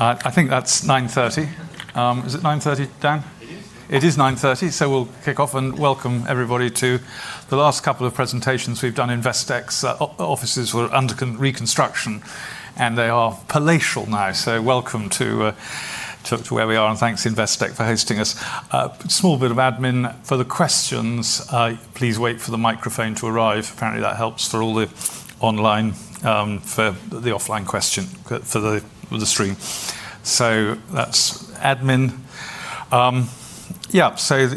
I think that's 9:30. Is it 9:30, Dan? It is. It is 9:30 A.M., so we'll kick off and welcome everybody to the last couple of presentations we've done. Investec's offices were under reconstruction, and they are palatial now. Welcome to where we are, and thanks to Investec for hosting us. Small bit of admin. For the questions, please wait for the microphone to arrive. Apparently that helps for all the online, for the offline question, for the stream. That's admin.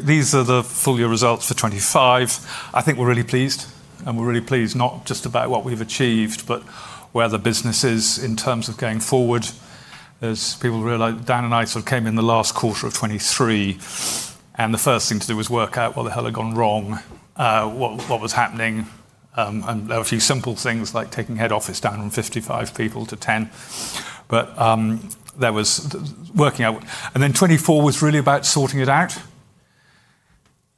These are the full year results for 2025. I think we're really pleased, and we're really pleased not just about what we've achieved, but where the business is in terms of going forward. As people realize, Dan and I sort of came in the last quarter of 2023, and the first thing to do was work out what the hell had gone wrong, what was happening. There were a few simple things like taking head office down from 55 people to 10. 2024 was really about sorting it out.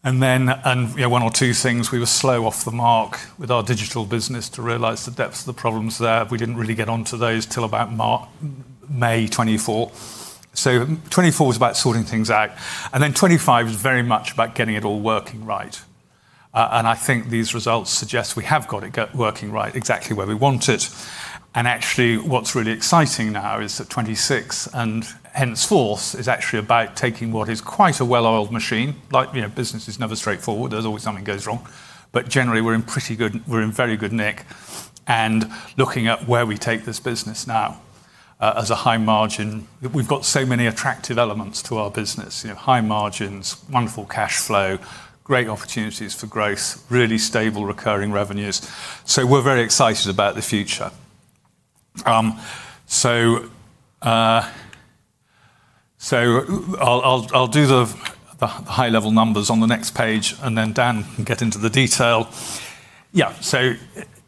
You know, one or two things, we were slow off the mark with our digital business to realize the depths of the problems there. We didn't really get onto those till about May 2024. 2024 was about sorting things out. 2025 was very much about getting it all working right. I think these results suggest we have got it working right, exactly where we want it. Actually, what's really exciting now is that 2026 and henceforth is actually about taking what is quite a well-oiled machine. Like, you know, business is never straightforward. There's always something goes wrong. But generally, we're in very good nick. Looking at where we take this business now as a high margin. We've got so many attractive elements to our business. You know, high margins, wonderful cash flow, great opportunities for growth, really stable recurring revenues. We're very excited about the future. I'll do the high-level numbers on the next page, and then Dan can get into the detail. Yeah.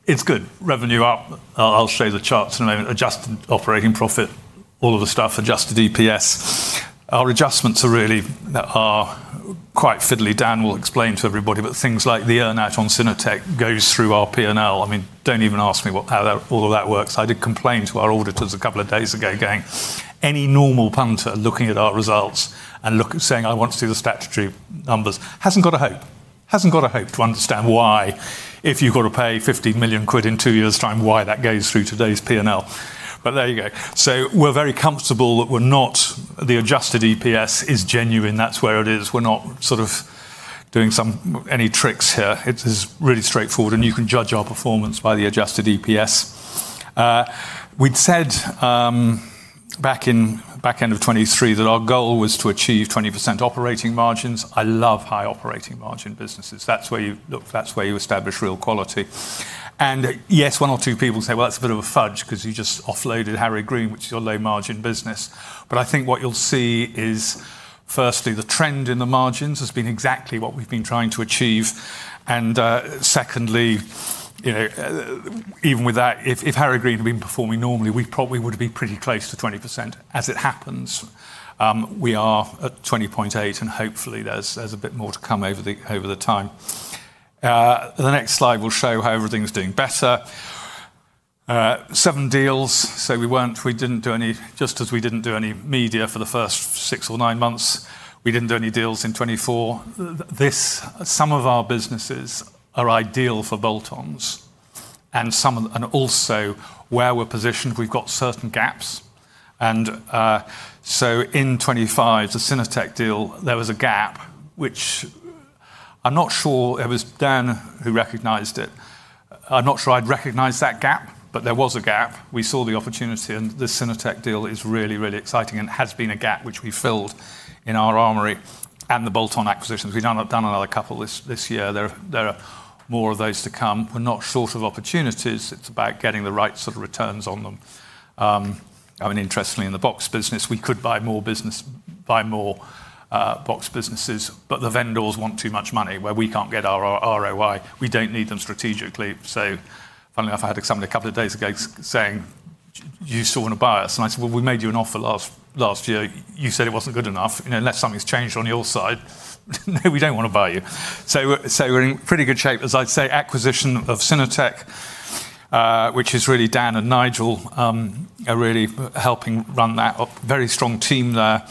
It's good. Revenue up. I'll show the charts in a moment. Adjusted operating profit, all of the stuff, adjusted EPS. Our adjustments are quite fiddly. Dan will explain to everybody. Things like the earn-out on Synertec goes through our P&L. I mean, don't even ask me how that all works. I did complain to our auditors a couple of days ago, going, any normal punter looking at our results and saying, I want to see the statutory numbers, hasn't got a hope to understand why if you've got to pay 50 million quid in two years' time, why that goes through today's P&L. There you go. We're very comfortable that the adjusted EPS is genuine. That's where it is. We're not sort of doing any tricks here. It is really straightforward, and you can judge our performance by the adjusted EPS. We'd said, back in the back end of 2023 that our goal was to achieve 20% operating margins. I love high operating margin businesses. That's where you look. That's where you establish real quality. Yes, one or two people say, well, that's a bit of a fudge because you just offloaded Harrow Green, which is your low margin business. I think what you'll see is, firstly, the trend in the margins has been exactly what we've been trying to achieve. Secondly, you know, even with that, if Harrow Green had been performing normally, we probably would have been pretty close to 20%. As it happens, we are at 20.8%, and hopefully there's a bit more to come over time. The next slide will show how everything's doing better. Seven deals, so we didn't do any, just as we didn't do any M&A for the first six or nine months. We didn't do any deals in 2024. Some of our businesses are ideal for bolt-ons, and some of them, and also where we're positioned, we've got certain gaps. In 2025, the Synertec deal, there was a gap which I'm not sure it was Dan who recognized it. I'm not sure I'd recognize that gap, but there was a gap. We saw the opportunity, and the Synertec deal is really, really exciting and has been a gap which we filled in our armory and the bolt-on acquisitions. We've done another couple this year. There are more of those to come. We're not short of opportunities. It's about getting the right sort of returns on them. I mean, interestingly, in the box business, we could buy more box businesses, but the vendors want too much money, where we can't get our ROI. We don't need them strategically. Funnily enough, I had somebody a couple of days ago saying, you still wanna buy us? I said, well, we made you an offer last year. You said it wasn't good enough. You know, unless something's changed on your side, no, we don't wanna buy you. We're in pretty good shape. As I say, acquisition of Synertec, which is really Dan and Nigel are really helping run that. A very strong team there.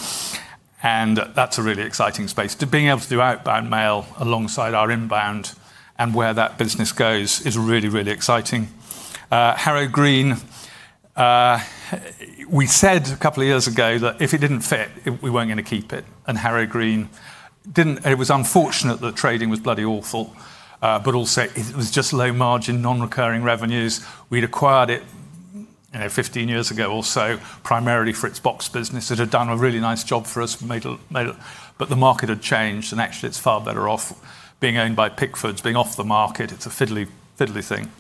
That's a really exciting space. To being able to do outbound mail alongside our inbound and where that business goes is really, really exciting. Harrow Green, we said a couple of years ago that if it didn't fit, we weren't gonna keep it. Harrow Green didn't. It was unfortunate that trading was bloody awful. It was just low margin, non-recurring revenues. We'd acquired it, you know, 15 years ago or so, primarily for its box business. It had done a really nice job for us. But the market had changed, and actually it's far better off being owned by Pickfords, being off the market. It's a fiddly thing.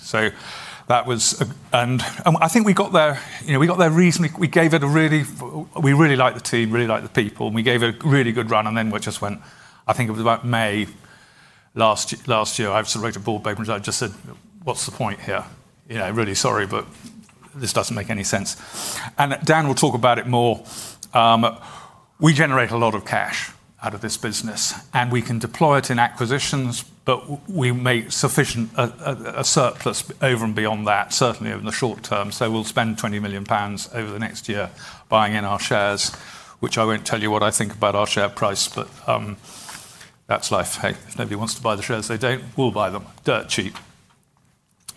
I think we got there, you know, reasonably. We really liked the team, really liked the people, and we gave it a really good run, and then we just went. I think it was about May last year. I wrote a board paper and I just said, what's the point here? You know, really sorry, but this doesn't make any sense. Dan will talk about it more. We generate a lot of cash out of this business, and we can deploy it in acquisitions, but we make sufficient surplus over and beyond that, certainly over the short term. We'll spend 20 million pounds over the next year buying in our shares, which I won't tell you what I think about our share price, but, that's life. Hey, if nobody wants to buy the shares, they don't. We'll buy them dirt cheap.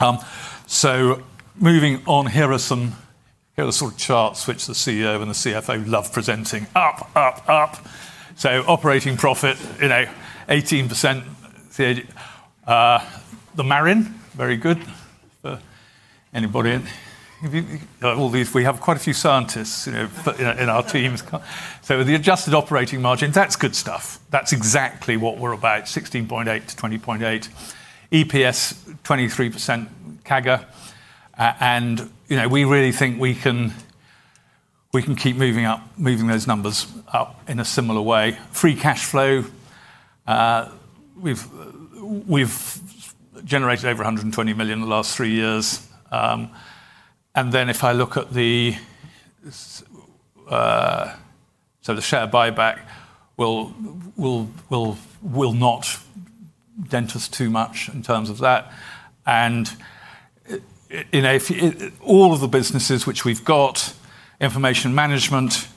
Moving on, here are the sort of charts which the CEO and the CFO love presenting. Up, up. Operating profit, you know, 18%. The margin, very good. Anybody in? We have quite a few scientists, you know, but, you know, in our teams. The adjusted operating margin, that's good stuff. That's exactly what we're about, 16.8%-20.8%. EPS, 23% CAGR. And, you know, we really think we can keep moving up, moving those numbers up in a similar way. Free cash flow, we've generated over 120 million in the last three years. The share buyback will not dent us too much in terms of that. You know, if all of the businesses which we've got, information management,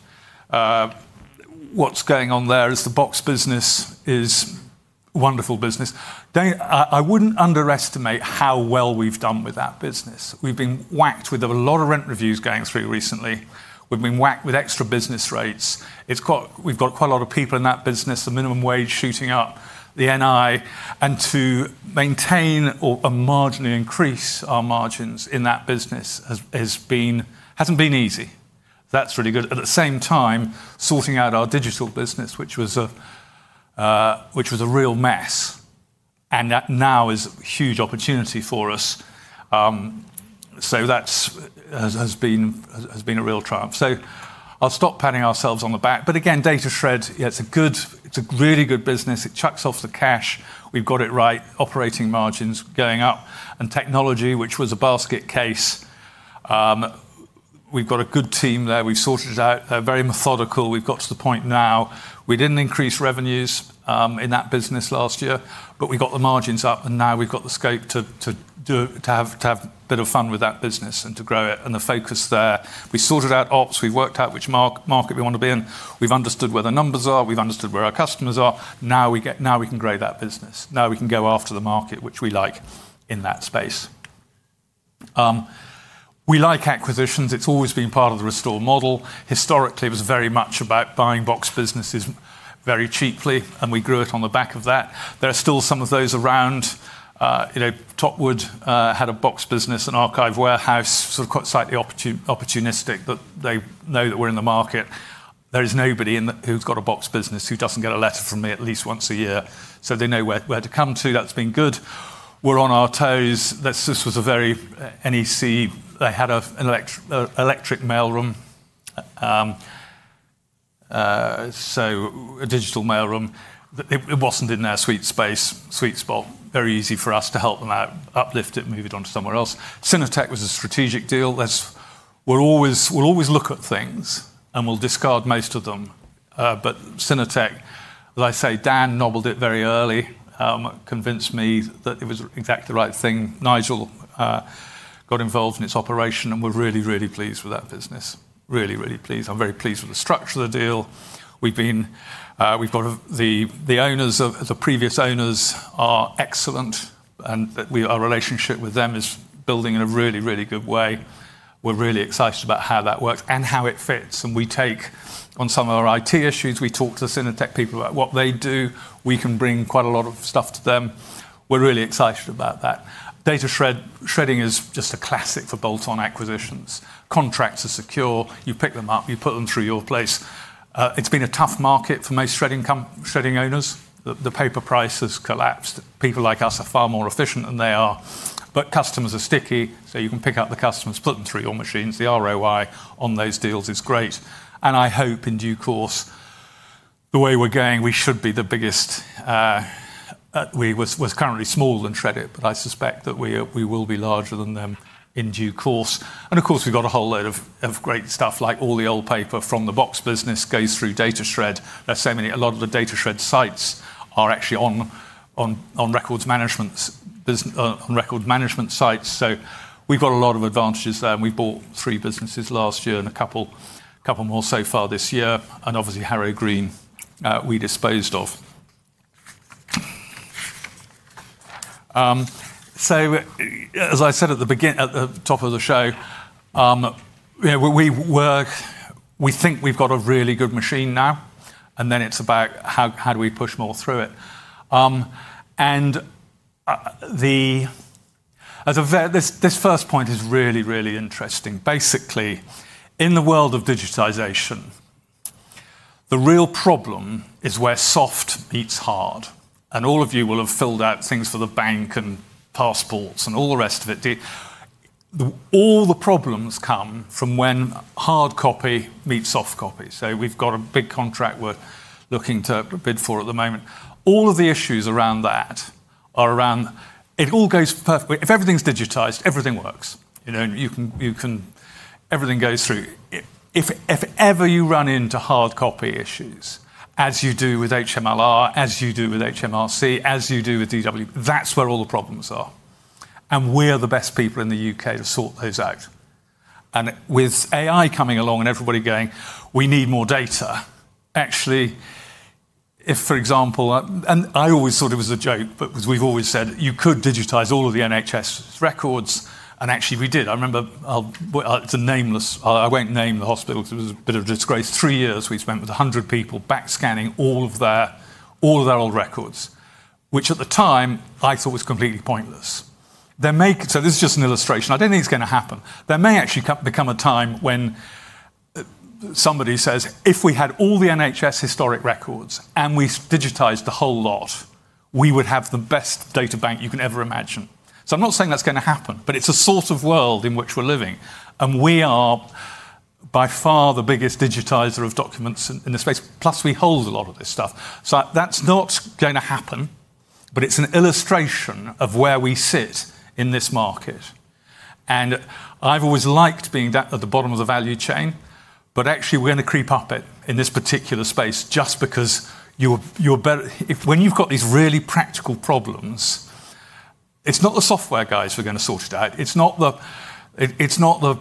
what's going on there is the box business is wonderful business. I wouldn't underestimate how well we've done with that business. We've been whacked with a lot of rent reviews going through recently. We've been whacked with extra business rates. We've got quite a lot of people in that business, the minimum wage shooting up, the NI. To maintain or marginally increase our margins in that business hasn't been easy. That's really good. At the same time, sorting out our digital business, which was a real mess, and that now is a huge opportunity for us. That's been a real triumph. I'll stop patting ourselves on the back. Again, Datashred, it's a good, it's a really good business. It chucks off the cash. We've got it right. Operating margins going up. Technology, which was a basket case, we've got a good team there. We've sorted it out. They're very methodical. We've got to the point now. We didn't increase revenues in that business last year, but we got the margins up, and now we've got the scope to have a bit of fun with that business and to grow it and the focus there. We sorted out ops. We've worked out which market we want to be in. We've understood where the numbers are. We've understood where our customers are. Now we can grow that business. Now we can go after the market which we like in that space. We like acquisitions. It's always been part of the Restore model. Historically, it was very much about buying box businesses very cheaply, and we grew it on the back of that. There are still some of those around. You know, Topwood had a box business, an archive warehouse, sort of quite slightly opportunistic, but they know that we're in the market. There is nobody in the who's got a box business who doesn't get a letter from me at least once a year, so they know where to come to. That's been good. We're on our toes. This was a very NEC. They had a, an electric mail room. So a digital mail room. It wasn't in our sweet space, sweet spot. Very easy for us to help them out, uplift it, move it on to somewhere else. Synertec was a strategic deal. That's. We'll always look at things, and we'll discard most of them. But Synertec, as I say, Dan nobbled it very early. Convinced me that it was exactly the right thing. Nigel got involved in its operation, and we're really, really pleased with that business. Really, really pleased. I'm very pleased with the structure of the deal. The previous owners are excellent, and our relationship with them is building in a really, really good way. We're really excited about how that works and how it fits. We take on some of our IT issues, we talk to Synertec people about what they do. We can bring quite a lot of stuff to them. We're really excited about that. Datashred, shredding is just a classic for bolt-on acquisitions. Contracts are secure. You pick them up, you put them through your place. It's been a tough market for most shredding owners. The paper price has collapsed. People like us are far more efficient than they are. Customers are sticky, so you can pick up the customers, put them through your machines. The ROI on those deals is great. I hope in due course, the way we're going, we should be the biggest. We was currently smaller than Shred-it, but I suspect that we are, we will be larger than them in due course. Of course, we've got a whole load of great stuff, like all the old paper from the box business goes through Datashred. There's so many. A lot of the Datashred sites are actually on record management sites. We've got a lot of advantages there, and we bought three businesses last year and a couple more so far this year. Obviously, Harrow Green, we disposed of. As I said at the top of the show, yeah, we think we've got a really good machine now, and then it's about how do we push more through it. This first point is really interesting. Basically, in the world of digitization, the real problem is where soft beats hard. All of you will have filled out things for the bank and passports and all the rest of it. All the problems come from when hard copy meets soft copy. We've got a big contract we're looking to bid for at the moment. All of the issues around that are around it all goes perfectly. If everything's digitized, everything works. You know? You can everything goes through. If ever you run into hard copy issues, as you do with HMLR, as you do with HMRC, as you do with DWP, that's where all the problems are, and we're the best people in the U.K. to sort those out. With AI coming along and everybody going, we need more data, actually, if, for example, and I always thought it was a joke because we've always said you could digitize all of the NHS's records. Actually we did. I remember, I won't name the hospital 'cause it was a bit of a disgrace. Three years we spent with 100 people back scanning all of their old records, which at the time I thought was completely pointless. So this is just an illustration. I don't think it's gonna happen. There may actually become a time when somebody says, if we had all the NHS historic records, and we digitized the whole lot, we would have the best data bank you can ever imagine. I'm not saying that's gonna happen, but it's the sort of world in which we're living, and we are by far the biggest digitizer of documents in the space. Plus we hold a lot of this stuff. That's not gonna happen, but it's an illustration of where we sit in this market. I've always liked being that at the bottom of the value chain. Actually we're gonna creep up it in this particular space just because you're better if when you've got these really practical problems, it's not the software guys who are gonna sort it out. It's not the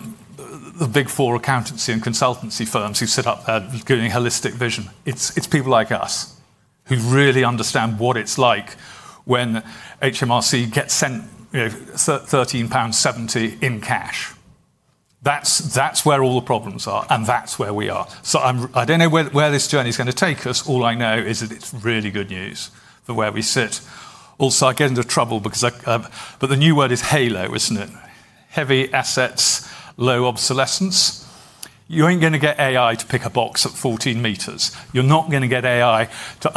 big four accountancy and consultancy firms who've set up a good and holistic vision. It's people like us who really understand what it's like when HMRC gets sent, you know, 13.70 pounds in cash. That's where all the problems are, and that's where we are. I don't know where this journey's gonna take us. All I know is that it's really good news for where we sit. Also, I get into trouble because I, but the new word is HALO, isn't it? Heavy assets, low obsolescence. You ain't gonna get AI to pick a box at 14 m. You're not gonna get AI to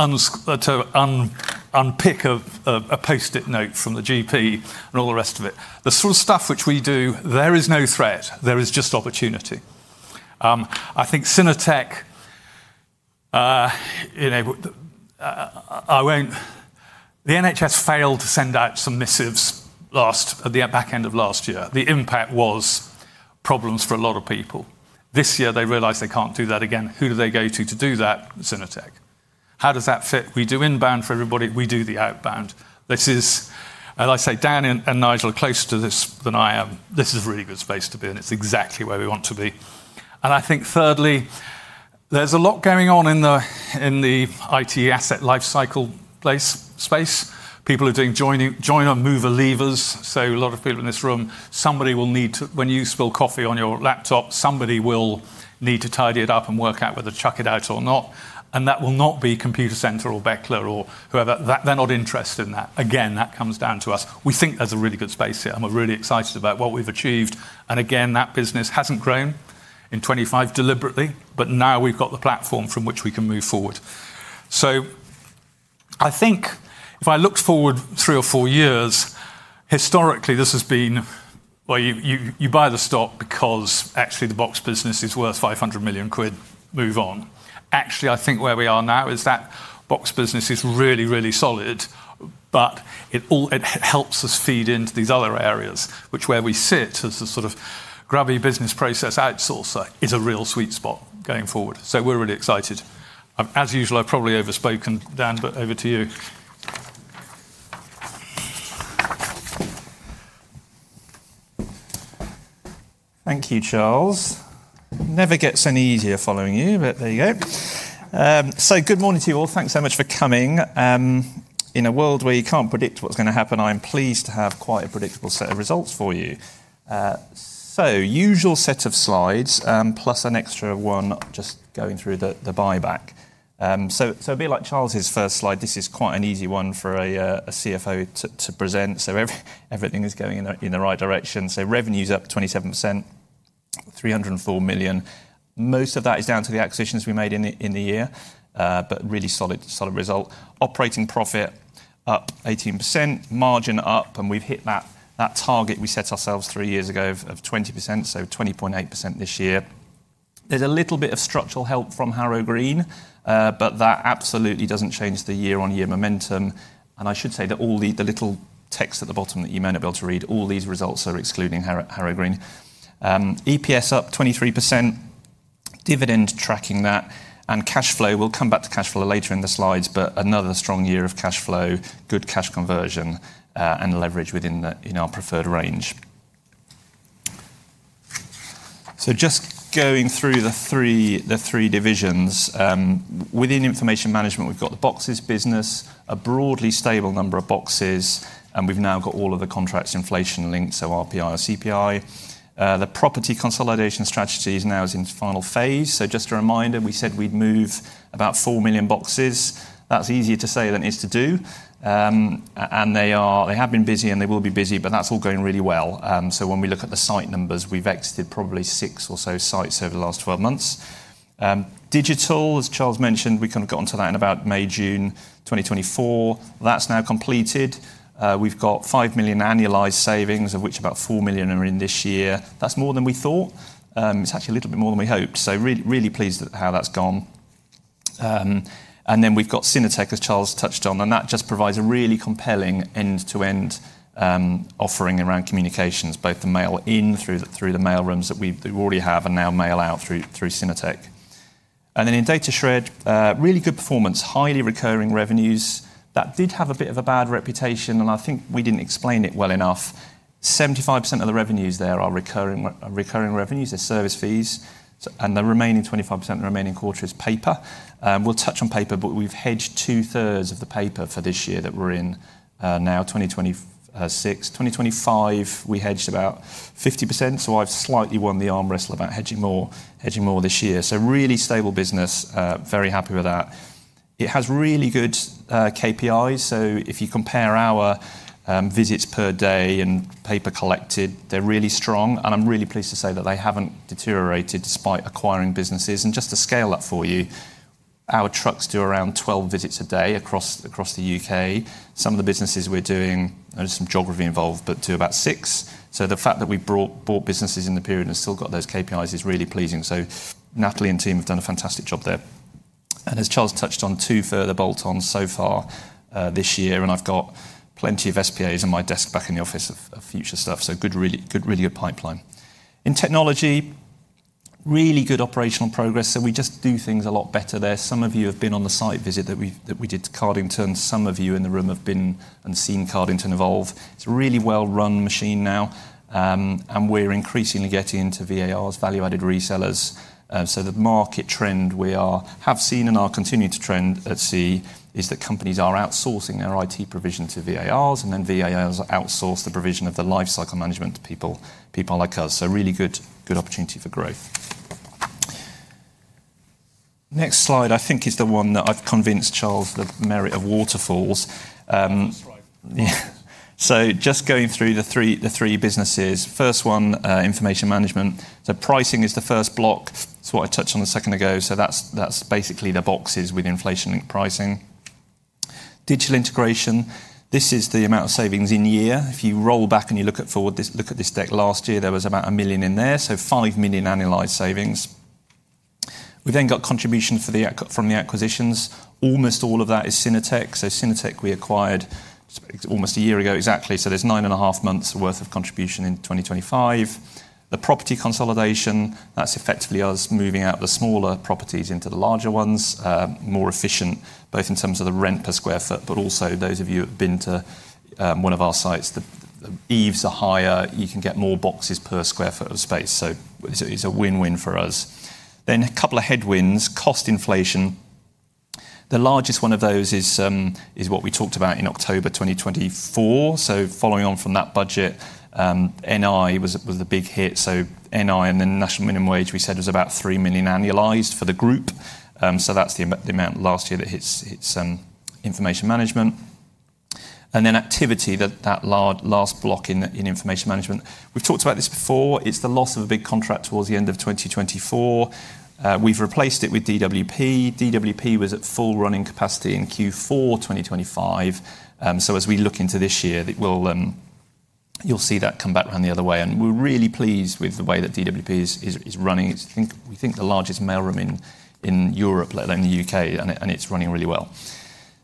unpicking a Post-it note from the GP and all the rest of it. The sort of stuff which we do, there is no threat, there is just opportunity. I think Synertec enabled. The NHS failed to send out some missives last, at the back end of last year. The impact was problems for a lot of people. This year, they realized they can't do that again. Who do they go to to do that? Synertec. How does that fit? We do inbound for everybody. We do the outbound. This is, as I say, Dan and Nigel are closer to this than I am. This is a really good space to be in. It's exactly where we want to be. I think thirdly, there's a lot going on in the IT asset lifecycle space. People are doing joining, Joiners, Movers, Leavers. A lot of people in this room. When you spill coffee on your laptop, somebody will need to tidy it up and work out whether to chuck it out or not. That will not be Computacenter or Bechtle or whoever. They're not interested in that. Again, that comes down to us. We think there's a really good space here, and we're really excited about what we've achieved. Again, that business hasn't grown in 25 deliberately, but now we've got the platform from which we can move forward. I think if I looked forward three or four years, historically this has been where you buy the stock because actually the box business is worth 500 million quid, move on. Actually, I think where we are now is that box business is really, really solid, but it helps us feed into these other areas, which where we sit as a sort of grubby business process outsourcer is a real sweet spot going forward. We're really excited. As usual, I've probably overspoken. Dan, but over to you. Thank you, Charles. Never gets any easier following you, but there you go. Good morning to you all. Thanks so much for coming. In a world where you can't predict what's gonna happen, I'm pleased to have quite a predictable set of results for you. Usual set of slides, plus an extra one just going through the buyback. A bit like Charles' first slide, this is quite an easy one for a CFO to present. Everything is going in the right direction. Revenue's up 27%, 304 million. Most of that is down to the acquisitions we made in the year. Really solid result. Operating profit up 18%. Margin up. We've hit that target we set ourselves three years ago of 20%, so 20.8% this year. There's a little bit of structural help from Harrow Green, but that absolutely doesn't change the year-on-year momentum. I should say that all the little text at the bottom that you may not be able to read, all these results are excluding Harrow Green. EPS up 23%. Dividend tracking that, and cash flow. We'll come back to cash flow later in the slides, but another strong year of cash flow, good cash conversion, and leverage within our preferred range. Just going through the three divisions. Within information management, we've got the boxes business, a broadly stable number of boxes, and we've now got all of the contracts inflation-linked, so RPI or CPI. The property consolidation strategy is now in its final phase. Just a reminder, we said we'd move about 4 million boxes. That's easier to say than it is to do. They have been busy, and they will be busy, but that's all going really well. When we look at the site numbers, we've exited probably six or so sites over the last 12 months. Digital, as Charles mentioned, we kind of got onto that in about May, June 2024. That's now completed. We've got 5 million annualized savings, of which about 4 million are in this year. That's more than we thought. It's actually a little bit more than we hoped. Really pleased at how that's gone. We've got Synertec, as Charles touched on, and that just provides a really compelling end-to-end offering around communications, both the mail in through the mail rooms that we already have, and now mail out through Synertec. In Datashred, really good performance, highly recurring revenues that did have a bit of a bad reputation, and I think we didn't explain it well enough. 75% of the revenues there are recurring revenues. They're service fees, and the remaining 25%, the remaining quarter is paper. We'll touch on paper, but we've hedged 2/3 of the paper for this year that we're in, now 2026. 2025, we hedged about 50%, so I've slightly won the arm wrestle about hedging more this year. Really stable business, very happy with that. It has really good KPIs, so if you compare our visits per day and paper collected, they're really strong, and I'm really pleased to say that they haven't deteriorated despite acquiring businesses. Just to scale up for you, our trucks do around 12 visits a day across the U.K. Some of the businesses we're doing, there's some geography involved, but do about six. The fact that we bought businesses in the period and still got those KPIs is really pleasing. Natalie and team have done a fantastic job there. As Charles touched on, two further bolt-ons so far this year, and I've got plenty of SPAs on my desk back in the office of future stuff, really good pipeline. In technology, really good operational progress, we just do things a lot better there. Some of you have been on the site visit that we did to Cardington. Some of you in the room have been and seen Cardington evolve. It's a really well-run machine now, and we're increasingly getting into VARs, value-added resellers. The market trend we have seen and are continuing to trend at SEE is that companies are outsourcing their IT provision to VARs, and then VARs outsource the provision of the lifecycle management to people like us. Really good opportunity for growth. Next slide, I think, is the one that I've convinced Charles the merit of waterfalls. That's right. Yeah. Just going through the three businesses. First one, information management. Pricing is the first block. That's what I touched on a second ago, that's basically the boxes with inflation in pricing. Digital integration, this is the amount of savings in year. If you roll back and you look at this deck last year, there was about 1 million in there, so 5 million annualized savings. We then got contribution from the acquisitions. Almost all of that is Synertec. Synertec we acquired almost a year ago exactly, so there's nine and half months worth of contribution in 2025. The property consolidation, that's effectively us moving out the smaller properties into the larger ones. More efficient both in terms of the rent per sq ft, but also those of you who have been to one of our sites, the eaves are higher. You can get more boxes per sq ft of space, so it's a win-win for us. A couple of headwinds. Cost inflation, the largest one of those is what we talked about in October 2024. Following on from that budget, NI was the big hit. NI and then national minimum wage we said was about 3 million annualized for the group. That's the amount last year that hits information management. Then activity, that last block in information management. We've talked about this before. It's the loss of a big contract towards the end of 2024. We've replaced it with DWP. DWP was at full running capacity in Q4 2025. As we look into this year, it will, you'll see that come back round the other way, and we're really pleased with the way that DWP is running. It's, I think, we think the largest mail room in Europe, let alone the U.K., and it's running really well.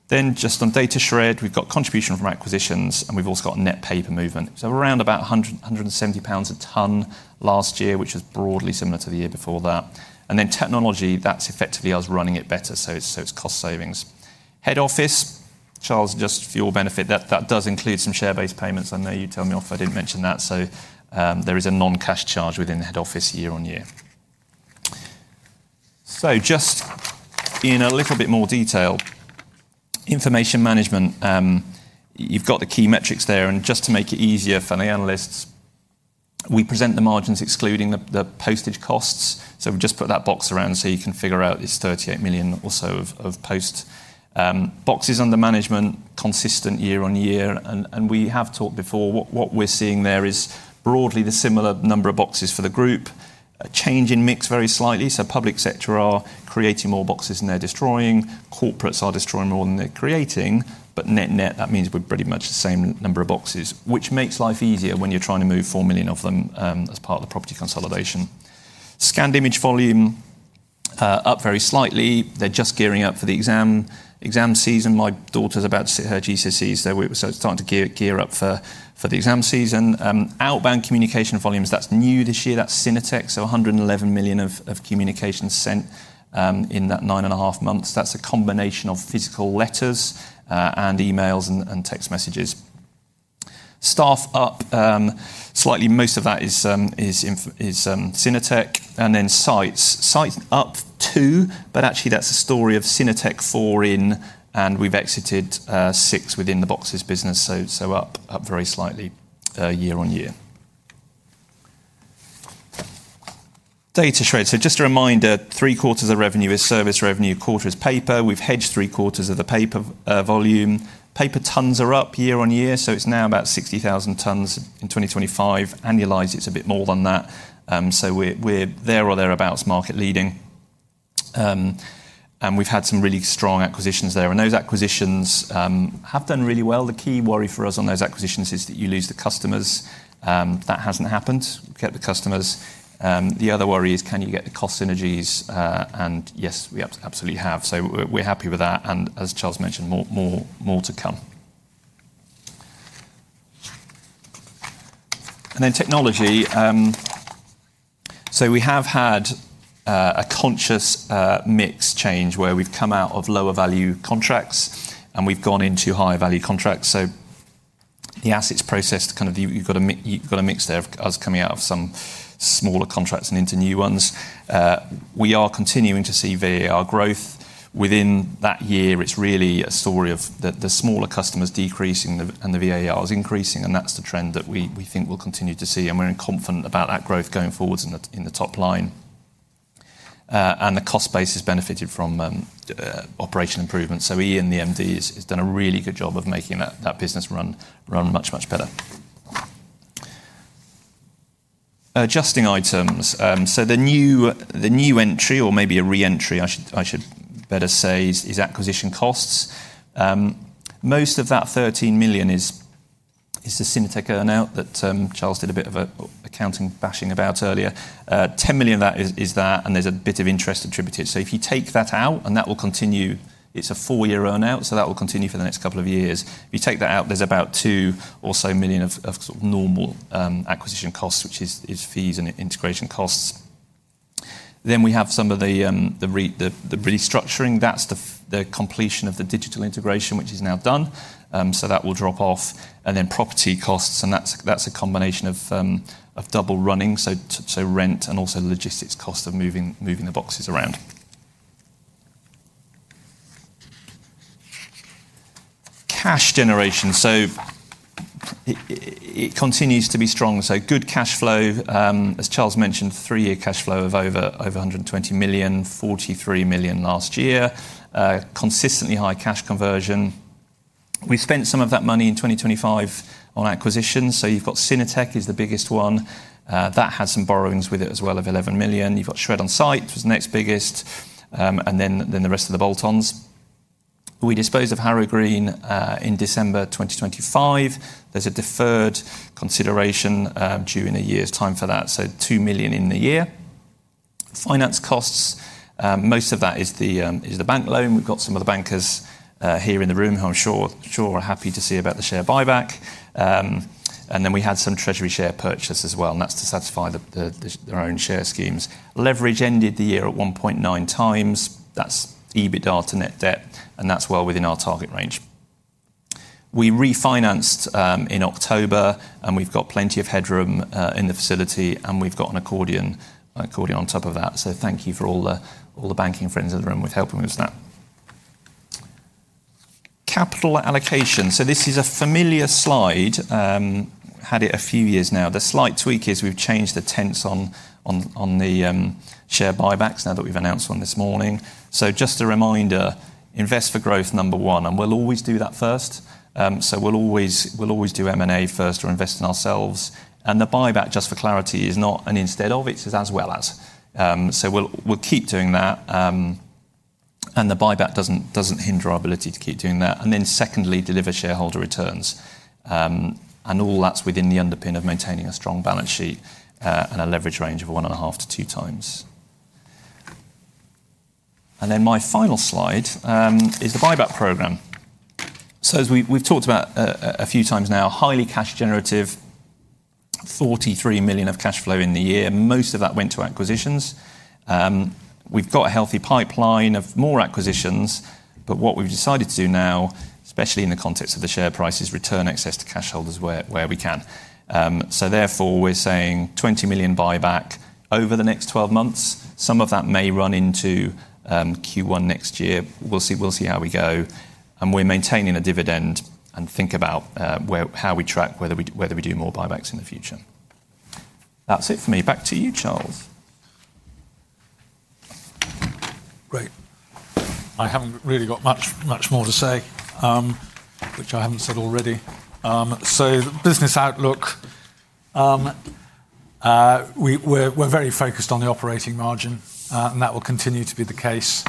Then just on Datashred, we've got contribution from acquisitions, and we've also got net paper movement. So around 170 pounds a ton last year, which is broadly similar to the year before that. Then technology, that's effectively us running it better, so it's cost savings. Head Office, Charles, just for your benefit, that does include some share-based payments. I know you'd tell me off if I didn't mention that. There is a non-cash charge within Head Office year on year. Just in a little bit more detail, information management, you've got the key metrics there, and just to make it easier for the analysts, we present the margins excluding the postage costs. We've just put that box around so you can figure out it's 38 million or so of post. Boxes under management, consistent year on year. We have talked before, what we're seeing there is broadly the similar number of boxes for the group. A change in mix very slightly, so public sector are creating more boxes than they're destroying. Corporates are destroying more than they're creating. Net-net, that means we're pretty much the same number of boxes, which makes life easier when you're trying to move 4 million of them, as part of the property consolidation. Scanned image volume up very slightly. They're just gearing up for the exam season. My daughter's about to sit her GCSEs, so starting to gear up for the exam season. Outbound communication volumes, that's new this year. That's Synertec, so 111 million communications sent in that nine and half months. That's a combination of physical letters and emails and text messages. Staff up slightly. Most of that is Synertec. Sites up two, but actually that's a story of Synertec four in, and we've exited six within the boxes business, so up very slightly year-on-year. Datashred. Just a reminder, 3/4 of revenue is service revenue. A 1/4 is paper. We've hedged 3/4 of the paper volume. Paper tons are up year-over-year, so it's now about 60,000 tons in 2025. Annualized, it's a bit more than that. We're there or thereabouts market-leading. We've had some really strong acquisitions there, and those acquisitions have done really well. The key worry for us on those acquisitions is that you lose the customers. That hasn't happened. We've kept the customers. The other worry is can you get the cost synergies? Yes, we absolutely have. We're happy with that. As Charles mentioned, more to come. Technology. We have had a conscious mix change where we've come out of lower value contracts, and we've gone into higher value contracts. The assets processed, you've got a mix there of us coming out of some smaller contracts and into new ones. We are continuing to see VAR growth. Within that year, it's really a story of the smaller customers decreasing and the VARs increasing, and that's the trend that we think we'll continue to see, and we're confident about that growth going forwards in the top line. The cost base has benefited from operation improvements, so Ian, the MD, has done a really good job of making that business run much better. Adjusting items. The new entry, or maybe a re-entry I should better say is acquisition costs. Most of that 13 million is the Synertec earn-out that Charles did a bit of a accounting bashing about earlier. 10 million of that is that, and there's a bit of interest attributed. If you take that out, and that will continue, it's a four-year earn-out, so that will continue for the next couple of years. If you take that out, there's about 2 or so million of sort of normal acquisition costs, which is fees and integration costs. We have some of the restructuring. That's the completion of the digital integration, which is now done. That will drop off. Property costs, and that's a combination of double running, so rent and also logistics cost of moving the boxes around. Cash generation. It continues to be strong. Good cash flow. As Charles mentioned, three-year cash flow of over 120 million. 43 million last year. Consistently high cash conversion. We spent some of that money in 2025 on acquisitions. You've got Synertec is the biggest one. That had some borrowings with it as well of 11 million. You've got Shred-on-Site was the next biggest, and then the rest of the bolt-ons. We disposed of Harrow Green in December 2025. There's a deferred consideration due in a year's time for that, so 2 million in the year. Finance costs, most of that is the bank loan. We've got some of the bankers here in the room who I'm sure are happy to see about the share buyback. We had some treasury share purchase as well, and that's to satisfy their own share schemes. Leverage ended the year at 1.9x. That's EBITDA to net debt, and that's well within our target range. We refinanced in October, and we've got plenty of headroom in the facility, and we've got an accordion on top of that. Thank you for all the banking friends in the room with helping with that. Capital allocation. This is a familiar slide. Had it a few years now. The slight tweak is we've changed the tense on the share buybacks now that we've announced one this morning. Just a reminder, invest for growth, number one, and we'll always do that first. We'll always do M&A first or invest in ourselves. The buyback, just for clarity, is not instead of, it's as well as. We'll keep doing that. The buyback doesn't hinder our ability to keep doing that. Then secondly, deliver shareholder returns. All that's within the underpinning of maintaining a strong balance sheet and a leverage range of 1.5x-2x. My final slide is the buyback program. We've talked about it a few times now, highly cash generative, 43 million of cash flow in the year. Most of that went to acquisitions. We've got a healthy pipeline of more acquisitions, but what we've decided to do now, especially in the context of the share price, is return excess cash to shareholders where we can. Therefore, we're saying 20 million buyback over the next 12 months. Some of that may run into Q1 next year. We'll see, we'll see how we go. We're maintaining a dividend and think about how we track whether we do more buybacks in the future. That's it for me. Back to you, Charles. Great. I haven't really got much more to say, which I haven't said already. Business outlook. We're very focused on the operating margin, and that will continue to be the case.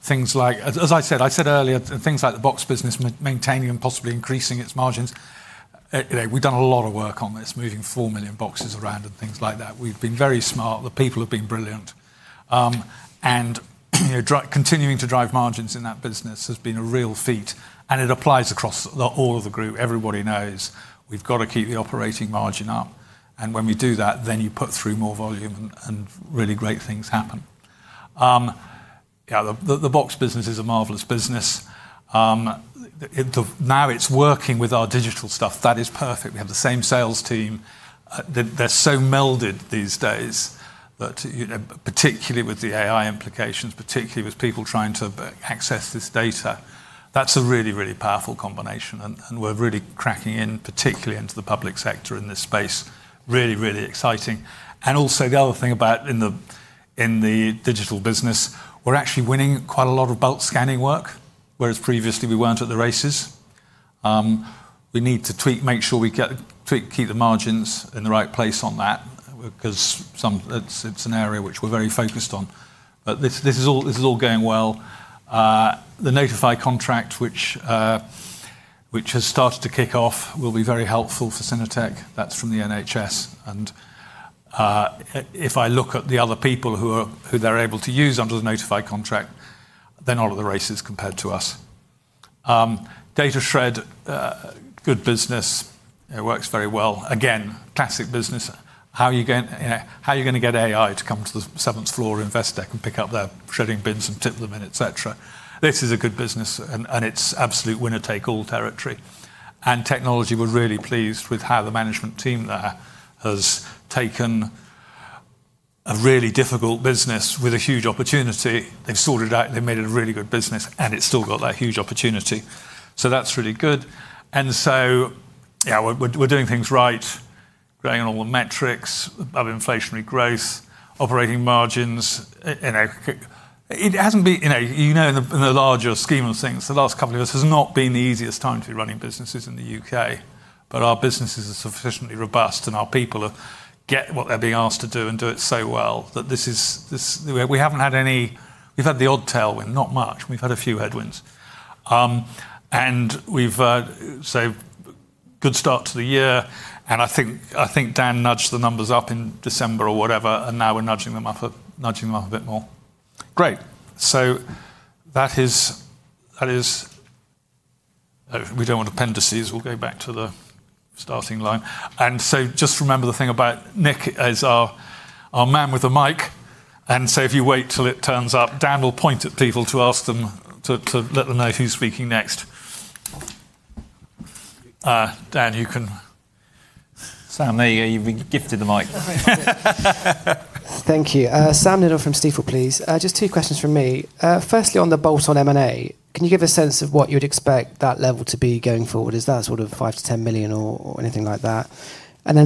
Things like as I said earlier, things like the box business maintaining and possibly increasing its margins. You know, we've done a lot of work on this, moving 4 million boxes around and things like that. We've been very smart. The people have been brilliant. You know, continuing to drive margins in that business has been a real feat, and it applies across all of the group. Everybody knows we've got to keep the operating margin up. When we do that, then you put through more volume and really great things happen. Yeah, the box business is a marvelous business. Now it's working with our digital stuff. That is perfect. We have the same sales team. They're so melded these days that, you know, particularly with the AI implications, particularly with people trying to access this data. That's a really powerful combination, and we're really cracking in, particularly into the public sector in this space. Really exciting. Also, the other thing about the digital business, we're actually winning quite a lot of bulk scanning work, whereas previously we weren't at the races. We need to tweak, keep the margins in the right place on that because it's an area which we're very focused on. This is all going well. The Notify contract, which has started to kick off, will be very helpful for Synertec. That's from the NHS. If I look at the other people who they're able to use under the Notify contract, they're not in the race as compared to us. Datashred, good business. It works very well. Again, classic business. How are you going, you know, how are you gonna get AI to come to the seventh floor of Investec and pick up their shredding bins and tip them in, et cetera? This is a good business and it's absolute winner-take-all territory. Technology, we're really pleased with how the management team there has taken a really difficult business with a huge opportunity. They've sorted it out and they've made it a really good business, and it's still got that huge opportunity. That's really good. Yeah, we're doing things right, growing all the metrics of inflationary growth, operating margins. You know, it hasn't been, you know, you know in the larger scheme of things, the last couple of years has not been the easiest time to be running businesses in the U.K., but our businesses are sufficiently robust and our people get what they're being asked to do and do it so well that this is. We haven't had any. We've had the odd tailwind, not much, and we've had a few headwinds. We've had a good start to the year, and I think Dan nudged the numbers up in December or whatever, and now we're nudging them up a bit more. Great. That is. We don't want appendices. We'll go back to the starting line. Just remember the thing about Nick as our man with a mic. If you wait till it turns up, Dan will point at people to ask them to let them know who's speaking next. Dan, you can. Sam, there you go. You've been gifted the mic. Thank you. Sam Dindol from Stifel, please. Just two questions from me. Firstly, on the bolt-on M&A, can you give a sense of what you'd expect that level to be going forward? Is that sort of 5 million-10 million or anything like that?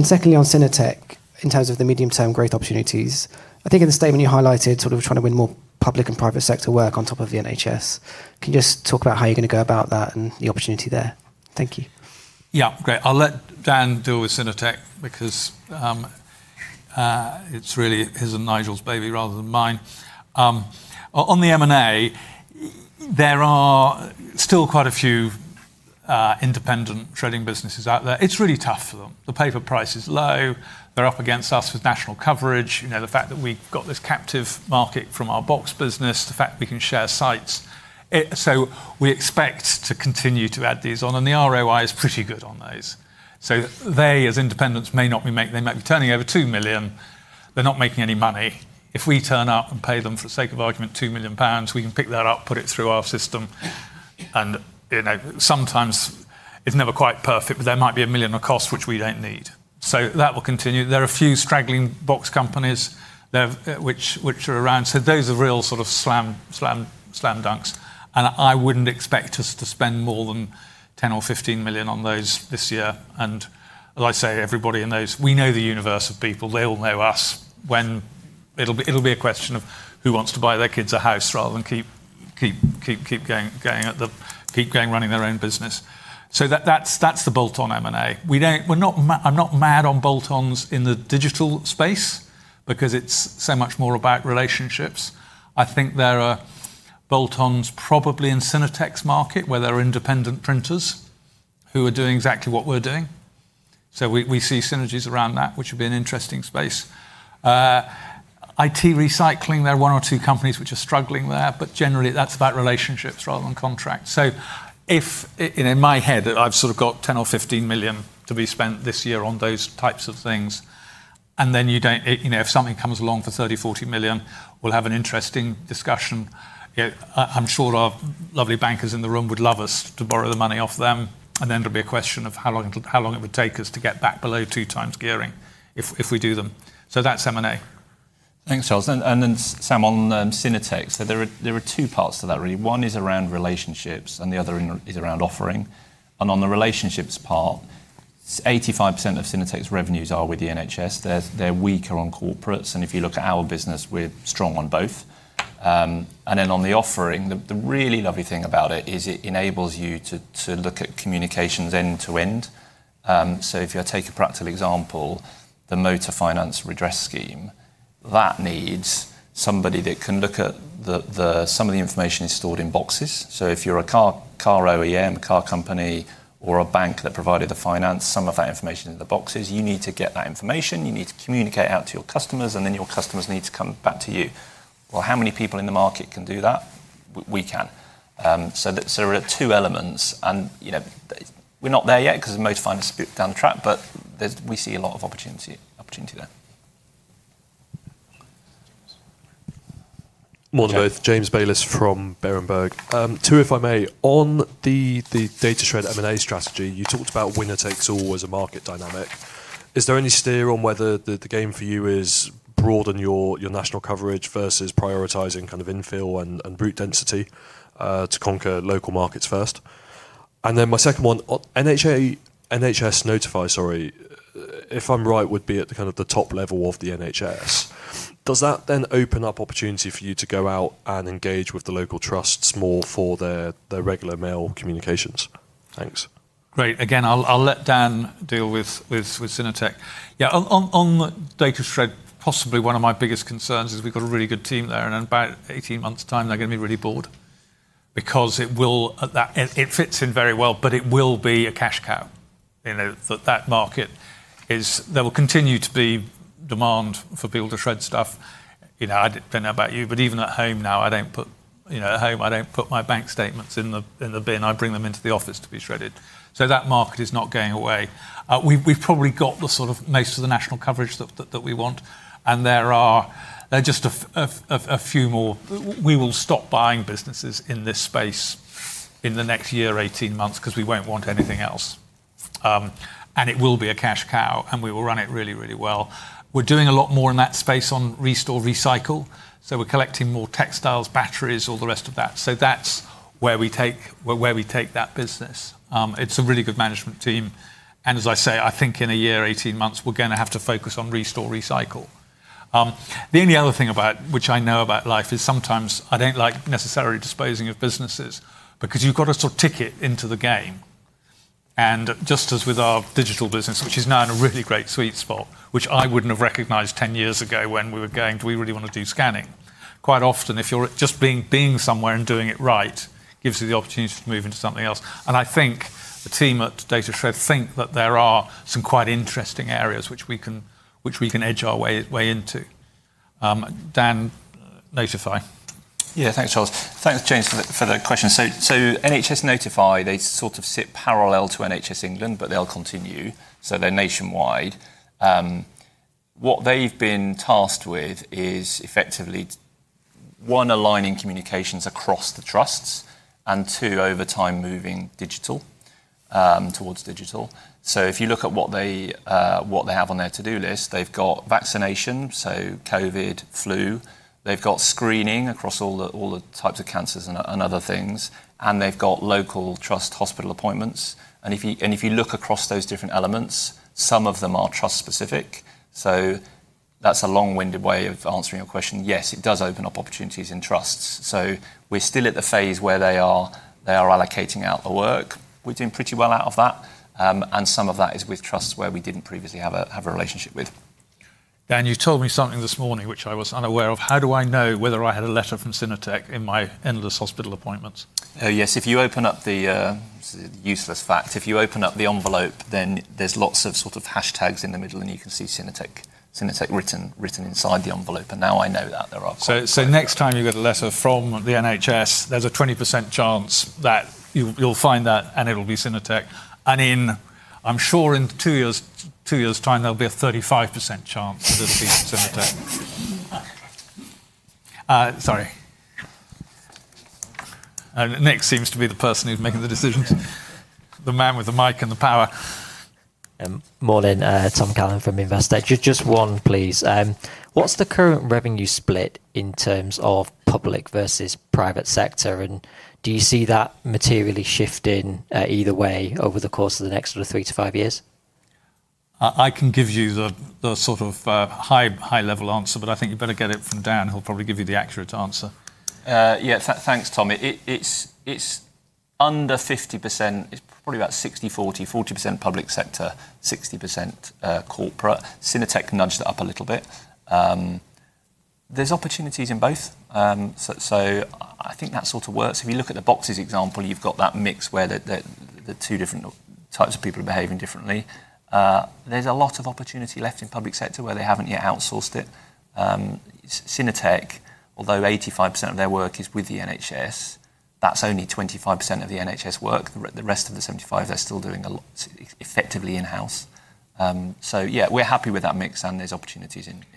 Secondly, on Synertec, in terms of the medium-term growth opportunities, I think in the statement you highlighted sort of trying to win more public and private sector work on top of the NHS. Can you just talk about how you're gonna go about that and the opportunity there? Thank you. Yeah. Great. I'll let Dan deal with Synertec because it's really his and Nigel's baby rather than mine. On the M&A, there are still quite a few independent shredding businesses out there. It's really tough for them. The paper price is low. They're up against us with national coverage. You know, the fact that we've got this captive market from our box business, the fact we can share sites. We expect to continue to add these on, and the ROI is pretty good on those. They, as independents, might be turning over 2 million. They're not making any money. If we turn up and pay them, for the sake of argument, 2 million pounds, we can pick that up, put it through our system and, you know, sometimes it's never quite perfect, but there might be 1 million of costs which we don't need. That will continue. There are a few straggling box companies there, which are around, so those are real sort of slam dunks. I wouldn't expect us to spend more than 10 million or 15 million on those this year. Everybody in those, we know the universe of people. They all know us. It'll be a question of who wants to buy their kids a house rather than keep going running their own business. That's the bolt-on M&A. I'm not mad on bolt-ons in the digital space because it's so much more about relationships. I think there are bolt-ons probably in Synertec's market, where there are independent printers who are doing exactly what we're doing. We see synergies around that, which would be an interesting space. IT recycling, there are one or two companies which are struggling there, but generally that's about relationships rather than contracts. If in my head, I've sort of got 10 million or 15 million to be spent this year on those types of things. You know, if something comes along for 30 million-40 million, we'll have an interesting discussion. You know, I'm sure our lovely bankers in the room would love us to borrow the money off them, and then it'll be a question of how long it would take us to get back below 2x gearing if we do them. That's M&A. Thanks, Charles. Then Sam, on Synertec. There are two parts to that, really. One is around relationships, and the other is around offering. On the relationships part, 85% of Synertec's revenues are with the NHS. They're weaker on corporates. If you look at our business, we're strong on both. On the offering, the really lovely thing about it is it enables you to look at communications end to end. If you take a practical example, the Motor Finance Redress Scheme, that needs somebody that can look at the. Some of the information is stored in boxes. If you're a car OEM, car company, or a bank that provided the finance, some of that information is in the boxes. You need to get that information, you need to communicate it out to your customers, and then your customers need to come back to you. Well, how many people in the market can do that? We can. So there are two elements. You know, we're not there yet because most finance is a bit down the track, but we see a lot of opportunity there. James. Morning both. Yeah. James Bayliss from Berenberg. Two, if I may. On the Datashred M&A strategy, you talked about winner takes all as a market dynamic. Is there any steer on whether the game for you is broaden your national coverage versus prioritizing kind of infill and route density to conquer local markets first? My second one. NHS Notify, sorry, if I'm right, would be at the kind of the top level of the NHS. Does that then open up opportunity for you to go out and engage with the local trusts more for their regular mail communications? Thanks. Great. Again, I'll let Dan deal with Synertec. Yeah. On Datashred, possibly one of my biggest concerns is we've got a really good team there, and in about 18 months' time they're gonna be really bored. Because it fits in very well, but it will be a cash cow, you know. That market is. There will continue to be demand for people to shred stuff. You know, I don't know about you, but even at home now, I don't put, you know, at home I don't put my bank statements in the bin. I bring them into the office to be shredded. That market is not going away. We've probably got the sort of most of the national coverage that we want, and there are just a few more. We will stop buying businesses in this space in the next year, 18 months 'cause we won't want anything else. It will be a cash cow, and we will run it really well. We're doing a lot more in that space on Restore Recycle, so we're collecting more textiles, batteries, all the rest of that. That's where we take that business. It's a really good management team, and as I say, I think in a year, 18 months, we're gonna have to focus on Restore Recycle. The only other thing I know about life is sometimes I don't like necessarily disposing of businesses because you've got to sort of get into the game. Just as with our digital business, which is now in a really great sweet spot, which I wouldn't have recognized 10 years ago when we were going, do we really wanna do scanning? Quite often, if you're just being somewhere and doing it right, gives you the opportunity to move into something else. I think the team at Datashred think that there are some quite interesting areas which we can edge our way into. Dan, Notify. Yeah. Thanks, Charles. Thanks, James, for the question. NHS Notify, they sort of sit parallel to NHS England, but they'll continue, so they're nationwide. What they've been tasked with is effectively, one, aligning communications across the trusts and, two, over time, moving digital towards digital. If you look at what they have on their to-do list, they've got vaccination, so COVID, flu. They've got screening across all the types of cancers and other things, and they've got local trust hospital appointments. If you look across those different elements, some of them are trust specific. That's a long-winded way of answering your question. Yes, it does open up opportunities in trusts. We're still at the phase where they are allocating out the work. We're doing pretty well out of that, and some of that is with trusts where we didn't previously have a relationship with. Dan, you told me something this morning which I was unaware of. How do I know whether I had a letter from Synertec in my endless hospital appointments? Oh, yes. If you open up the envelope, then there's lots of sort of hashtags in the middle, and you can see Synertec written inside the envelope. Now I know that. There are quite a few of them. Next time you get a letter from the NHS, there's a 20% chance that you'll find that and it'll be Synertec. I'm sure in two years' time, there'll be a 35% chance that it'll be Synertec. Nick seems to be the person who's making the decisions. The man with the mic and the power. Morning. Tom Callan from Investec. Just one, please. What's the current revenue split in terms of public versus private sector? And do you see that materially shifting either way over the course of the next sort of three to five years? I can give you the sort of high level answer, but I think you better get it from Dan, who'll probably give you the accurate answer. Thanks, Tom. It's under 50%. It's probably about 60/40 public sector, 60% corporate. Synertec nudged it up a little bit. There's opportunities in both. I think that sort of works. If you look at the boxes example, you've got that mix where the two different types of people are behaving differently. There's a lot of opportunity left in public sector where they haven't yet outsourced it. Synertec, although 85% of their work is with the NHS, that's only 25% of the NHS work. The rest of the 75%, they're still doing a lot effectively in-house. Yeah, we're happy with that mix and there's opportunities in both.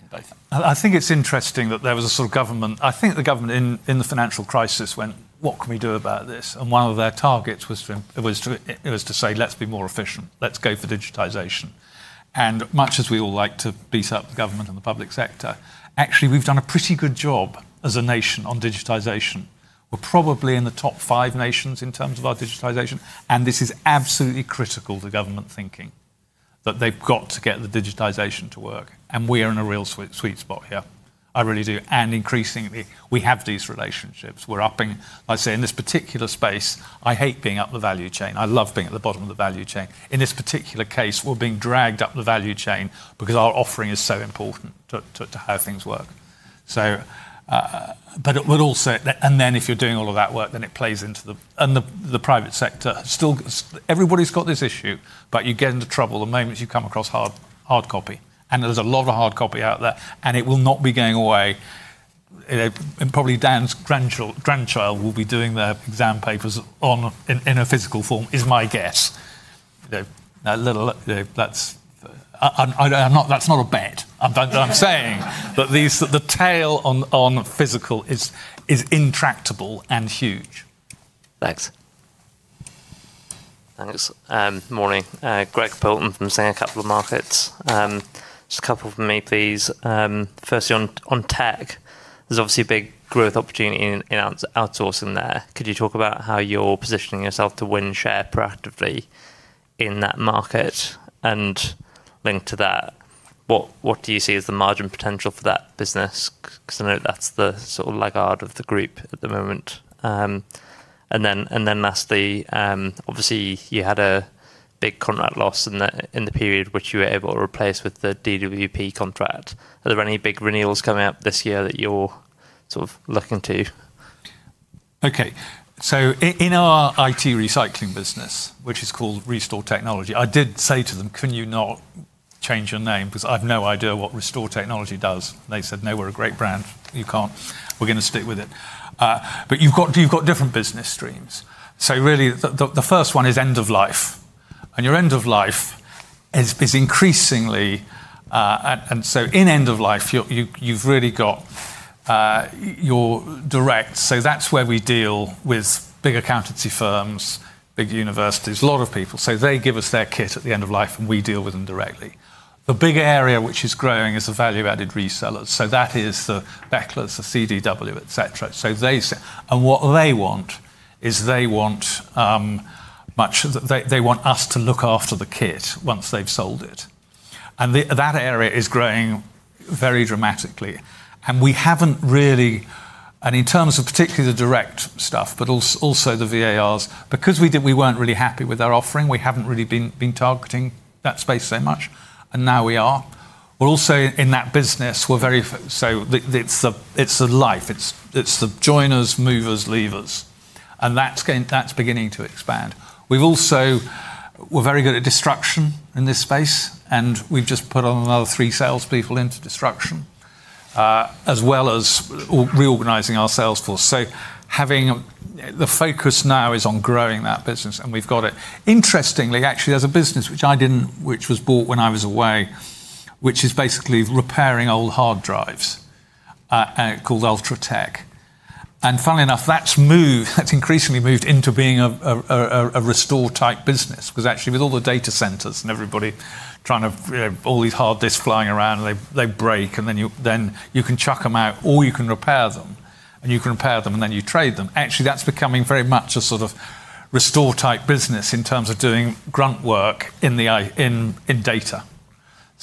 I think it's interesting that there was a sort of government. I think the government in the financial crisis went, what can we do about this? One of their targets was to say, let's be more efficient. Let's go for digitization. Much as we all like to beat up the government and the public sector, actually, we've done a pretty good job as a nation on digitization. We're probably in the top five nations in terms of our digitization, and this is absolutely critical to government thinking, that they've got to get the digitization to work, and we are in a real sweet spot here. I really do. Increasingly, we have these relationships. We're upping. I say in this particular space, I hate being up the value chain. I love being at the bottom of the value chain. In this particular case, we're being dragged up the value chain because our offering is so important to how things work. The private sector still, everybody's got this issue, but you get into trouble the moment you come across hard copy. There's a lot of hard copy out there, and it will not be going away. You know, and probably Dan's grandchild will be doing their exam papers in a physical form, is my guess. You know, I'm not. That's not a bet. I'm saying that the tail on physical is intractable and huge. Thanks. Thanks. Morning. Greg Poulton from Sanford C. Bernstein. Just a couple from me, please. Firstly, on tech, there's obviously a big growth opportunity in outsourcing there. Could you talk about how you're positioning yourself to win share proactively in that market? And linked to that, what do you see as the margin potential for that business? Because I know that's the sort of laggard of the group at the moment. And then lastly, obviously you had a big contract loss in the period which you were able to replace with the DWP contract. Are there any big renewals coming up this year that you're sort of looking to? Okay. In our IT recycling business, which is called Restore Technology, I did say to them, can you not change your name? Because I've no idea what Restore Technology does. They said, no, we're a great brand. You can't. We're gonna stick with it. You've got different business streams. Really the first one is end of life. Your end of life is increasingly, and so in end of life you've really got your direct. That's where we deal with big accountancy firms, big universities, a lot of people. They give us their kit at the end of life, and we deal with them directly. The big area which is growing is the value-added resellers. That is the Bechtle, the CDW, et cetera. What they want is they want us to look after the kit once they've sold it. That area is growing very dramatically. We haven't really in terms of particularly the direct stuff, but also the VARs, because we weren't really happy with our offering, we haven't really been targeting that space so much, and now we are. We're also in that business. It's the life. It's the joiners, movers, leavers. That's beginning to expand. We're very good at destruction in this space, and we've just put on another three salespeople into destruction, as well as reorganizing our sales force. Having the focus now is on growing that business, and we've got it. Interestingly, actually, there's a business which was bought when I was away, which is basically repairing old hard drives, called Ultratec. Funnily enough, that's increasingly moved into being a Restore-type business. Because actually with all the data centers and everybody trying to, you know, all these hard disks flying around, and they break, and then you can chuck them out or you can repair them. You can repair them, and then you trade them. Actually, that's becoming very much a sort of Restore-type business in terms of doing grunt work in data.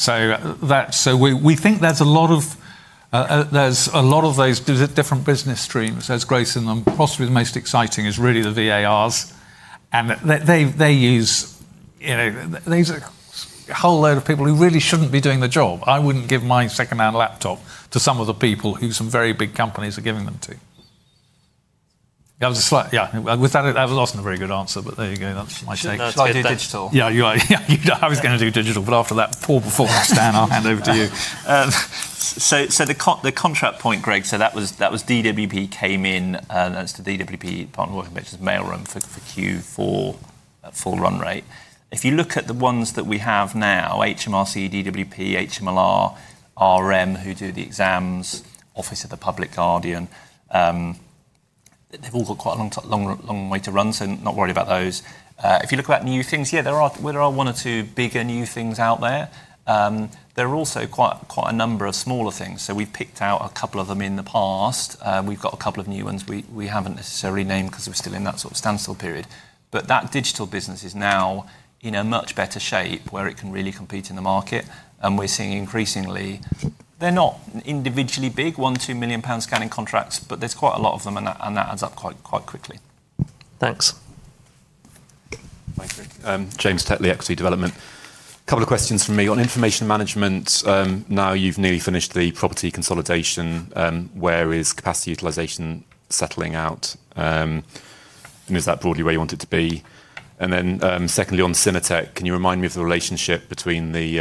We think there's a lot of different business streams. There's growth in them. Possibly the most exciting is really the VARs. They use, you know, these are a whole load of people who really shouldn't be doing the job. I wouldn't give my secondhand laptop to some of the people who some very big companies are giving them to. That was a slight. Yeah. With that wasn't a very good answer, but there you go. That's my take. No, it's IT Digital. I was gonna do digital, but after that poor performance, Dan, I'll hand over to you. The contract point, Greg, that was DWP came in as the DWP partner working with mailroom for Q4 at full run rate. If you look at the ones that we have now, HMRC, DWP, HM Land Registry, RM, who do the exams, Office of the Public Guardian, they've all got quite a long way to run, so not worried about those. If you look at new things, yeah, there are one or two bigger new things out there. There are also quite a number of smaller things. We picked out a couple of them in the past. We've got a couple of new ones we haven't necessarily named 'cause we're still in that sort of standstill period. That digital business is now in a much better shape where it can really compete in the market. We're seeing increasingly they're not individually big, 1 million, 2 million pound scanning contracts, but there's quite a lot of them, and that adds up quite quickly. Thanks. Mike. James Tetley, Equity Development. Couple of questions from me. On information management, now you've nearly finished the property consolidation, where is capacity utilization settling out? Is that broadly where you want it to be? Secondly, on Synertec, can you remind me of the relationship between the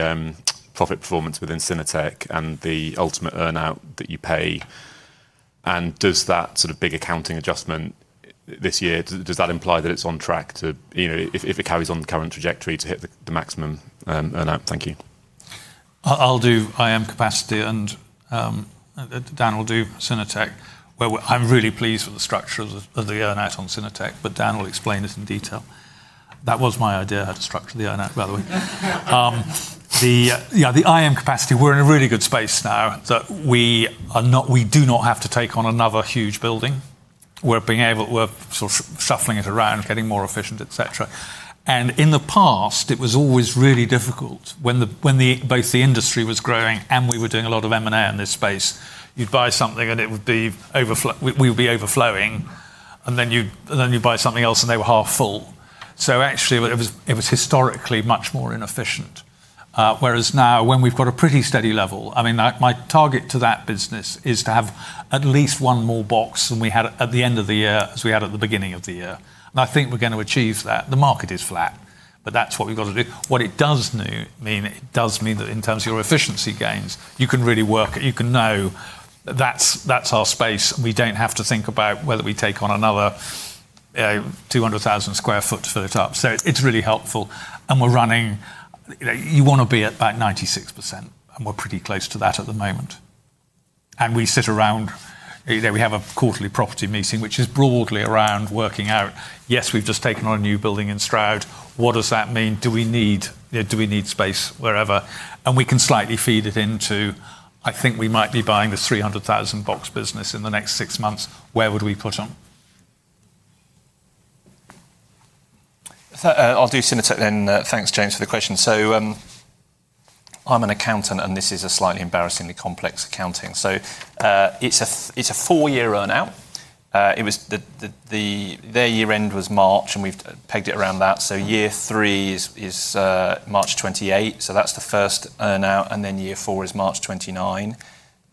profit performance within Synertec and the ultimate earn-out that you pay? Does that sort of big accounting adjustment this year does that imply that it's on track to you know if it carries on the current trajectory to hit the maximum earn-out? Thank you. I'll do IM capacity and Dan will do Synertec. I'm really pleased with the structure of the earn-out on Synertec, but Dan will explain it in detail. That was my idea how to structure the earn-out, by the way. The IM capacity, we're in a really good space now that we do not have to take on another huge building. We're sort of shuffling it around, getting more efficient, et cetera. In the past, it was always really difficult when both the industry was growing and we were doing a lot of M&A in this space. You'd buy something, and it would be overflowing, we would be overflowing, and then you'd buy something else, and they were half full. Actually, it was historically much more inefficient. Whereas now, when we've got a pretty steady level, I mean, like my target to that business is to have at least one more box than we had at the end of the year as we had at the beginning of the year. I think we're gonna achieve that. The market is flat, but that's what we've got to do. What it does mean, it does mean that in terms of your efficiency gains, you can really work. You can now that's our space. We don't have to think about whether we take on another, you know, 200,000 sq ft to fill it up. It's really helpful. We're running, you know, you wanna be at about 96%, and we're pretty close to that at the moment. We sit around. You know, we have a quarterly property meeting, which is broadly around working out, yes, we've just taken on a new building in Stroud. What does that mean? Do we need, you know, space wherever? We can slightly feed it into, I think we might be buying the 300,000 box business in the next six months. Where would we put them? I'll do Synertec then. Thanks, James, for the question. I'm an accountant, and this is a slightly embarrassingly complex accounting. It's a four-year earn-out. Their year end was March, and we've pegged it around that. Year three is March 2028, so that's the first earn-out, and then year four is March 2029.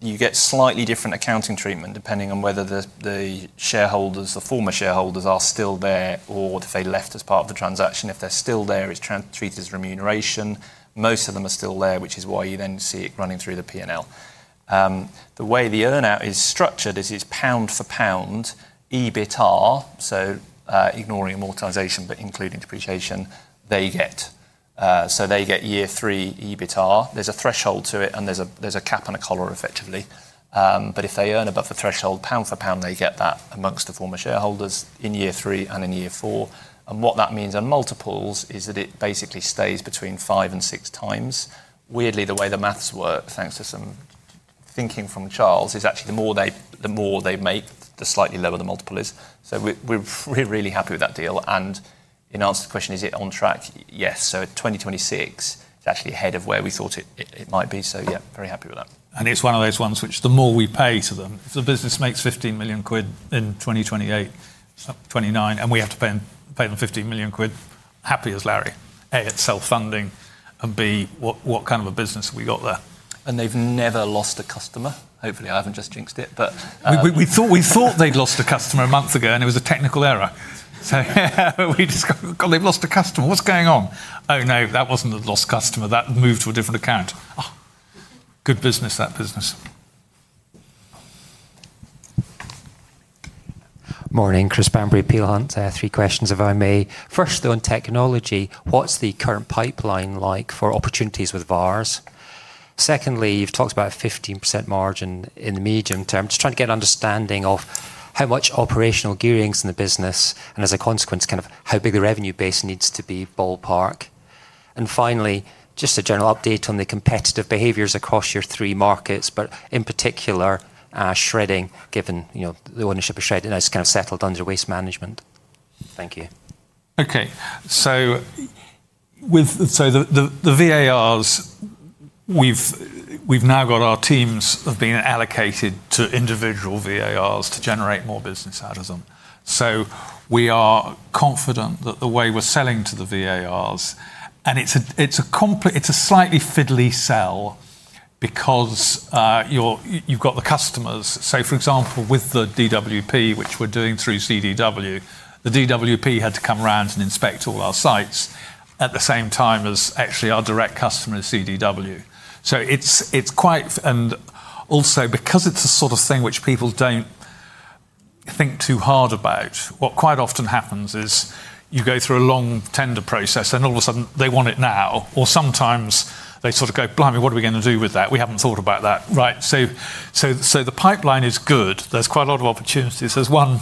You get slightly different accounting treatment depending on whether the shareholders, the former shareholders are still there or if they left as part of the transaction. If they're still there, it's treated as remuneration. Most of them are still there, which is why you then see it running through the P&L. The way the earn-out is structured is it's pound for pound EBITDA, ignoring amortization but including depreciation, they get year three EBITDA. There's a threshold to it, and there's a cap and a collar, effectively. If they earn above the threshold, pound for pound, they get that among the former shareholders in year three and in year four. What that means on multiples is that it basically stays between 5x-6x. Weirdly, the way the math works, thanks to some thinking from Charles, is actually the more they make, the slightly lower the multiple is. We're really happy with that deal. In answer to the question, is it on track? Yes. 2026, it's actually ahead of where we thought it might be. Yeah, very happy with that. It's one of those ones which the more we pay to them, if the business makes 15 million quid in 2028, 2029, and we have to pay them 15 million quid, happy as Larry. A, it's self-funding, and B, what kind of a business have we got there? They've never lost a customer. Hopefully, I haven't just jinxed it, but. We thought they'd lost a customer a month ago, and it was a technical error. We discovered, God, they've lost a customer. What's going on? Oh, no, that wasn't a lost customer. That moved to a different account. Good business, that business. Morning. Chris Bamberry, Peel Hunt. Three questions, if I may. First, though, on technology, what's the current pipeline like for opportunities with VARs? Secondly, you've talked about a 15% margin in the medium term. Just trying to get an understanding of how much operational gearing's in the business, and as a consequence, kind of how big the revenue base needs to be ballpark. Finally, just a general update on the competitive behaviors across your three markets, but in particular, shredding, given, you know, the ownership of shredding has kind of settled under Waste Management. Thank you. With the VARs, we've now got our teams have been allocated to individual VARs to generate more business out of them. We are confident that the way we're selling to the VARs, and it's a slightly fiddly sell because you've got the customers. For example, with the DWP, which we're doing through CDW, the DWP had to come around and inspect all our sites at the same time as actually our direct customer is CDW. Also because it's the sort of thing which people don't think too hard about, what quite often happens is you go through a long tender process, and all of a sudden they want it now. Sometimes they sort of go, blimey, what are we gonna do with that? We haven't thought about that. Right. The pipeline is good. There's quite a lot of opportunities. There's one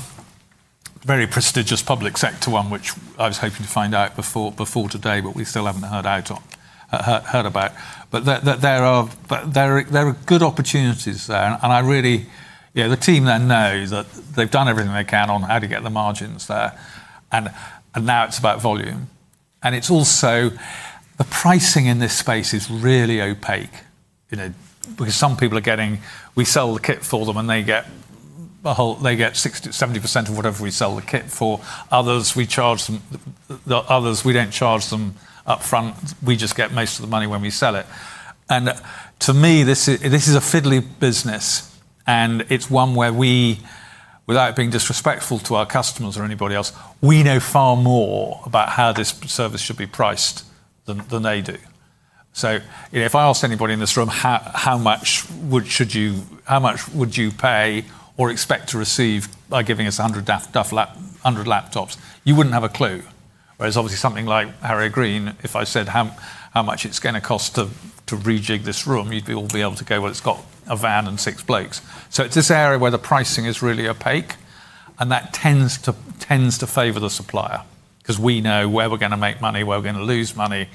very prestigious public sector one which I was hoping to find out before today, but we still haven't heard about. There are good opportunities there, and I really, you know, the team there knows that they've done everything they can on how to get the margins there, and now it's about volume. It's also the pricing in this space is really opaque, you know, because some people are getting, we sell the kit for them, and they get 60%-70% of whatever we sell the kit for. Others, we charge them. The others, we don't charge them upfront. We just get most of the money when we sell it. To me, this is a fiddly business, and it's one where we, without being disrespectful to our customers or anybody else, we know far more about how this service should be priced than they do. So if I ask anybody in this room how much would you pay or expect to receive by giving us 100 laptops, you wouldn't have a clue. Whereas obviously something like Harrow Green, if I said how much it's gonna cost to rejig this room, you'd be able to go, well, it's got a van and six blokes. So it's this area where the pricing is really opaque, and that tends to favor the supplier 'cause we know where we're gonna make money, where we're gonna lose money.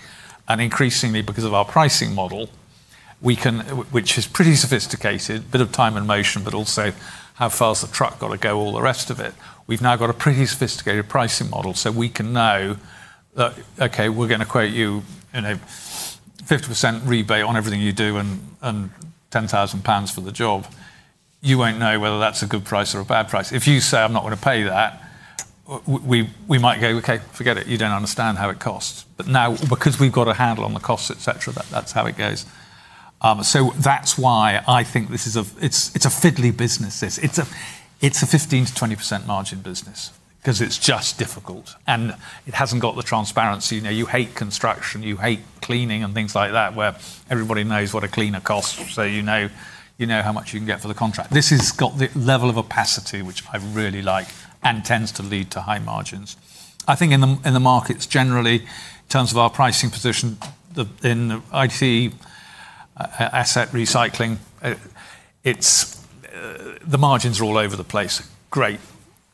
Increasingly, because of our pricing model, we can, which is pretty sophisticated, bit of time and motion, but also how far has the truck got to go, all the rest of it. We've now got a pretty sophisticated pricing model, so we can know that, okay, we're gonna quote you in a 50% rebate on everything you do and ten thousand pounds for the job. You won't know whether that's a good price or a bad price. If you say, I'm not gonna pay that, we might go, okay, forget it. You don't understand how it costs. Now because we've got a handle on the costs, et cetera, that's how it goes. That's why I think this is a, it's a fiddly business, this. It's a 15%-20% margin business 'cause it's just difficult, and it hasn't got the transparency. You know, you hate construction, you hate cleaning and things like that, where everybody knows what a cleaner costs, so you know how much you can get for the contract. This has got the level of opacity, which I really like and tends to lead to high margins. I think in the markets generally, in terms of our pricing position, in IT asset recycling, it's the margins are all over the place. Great.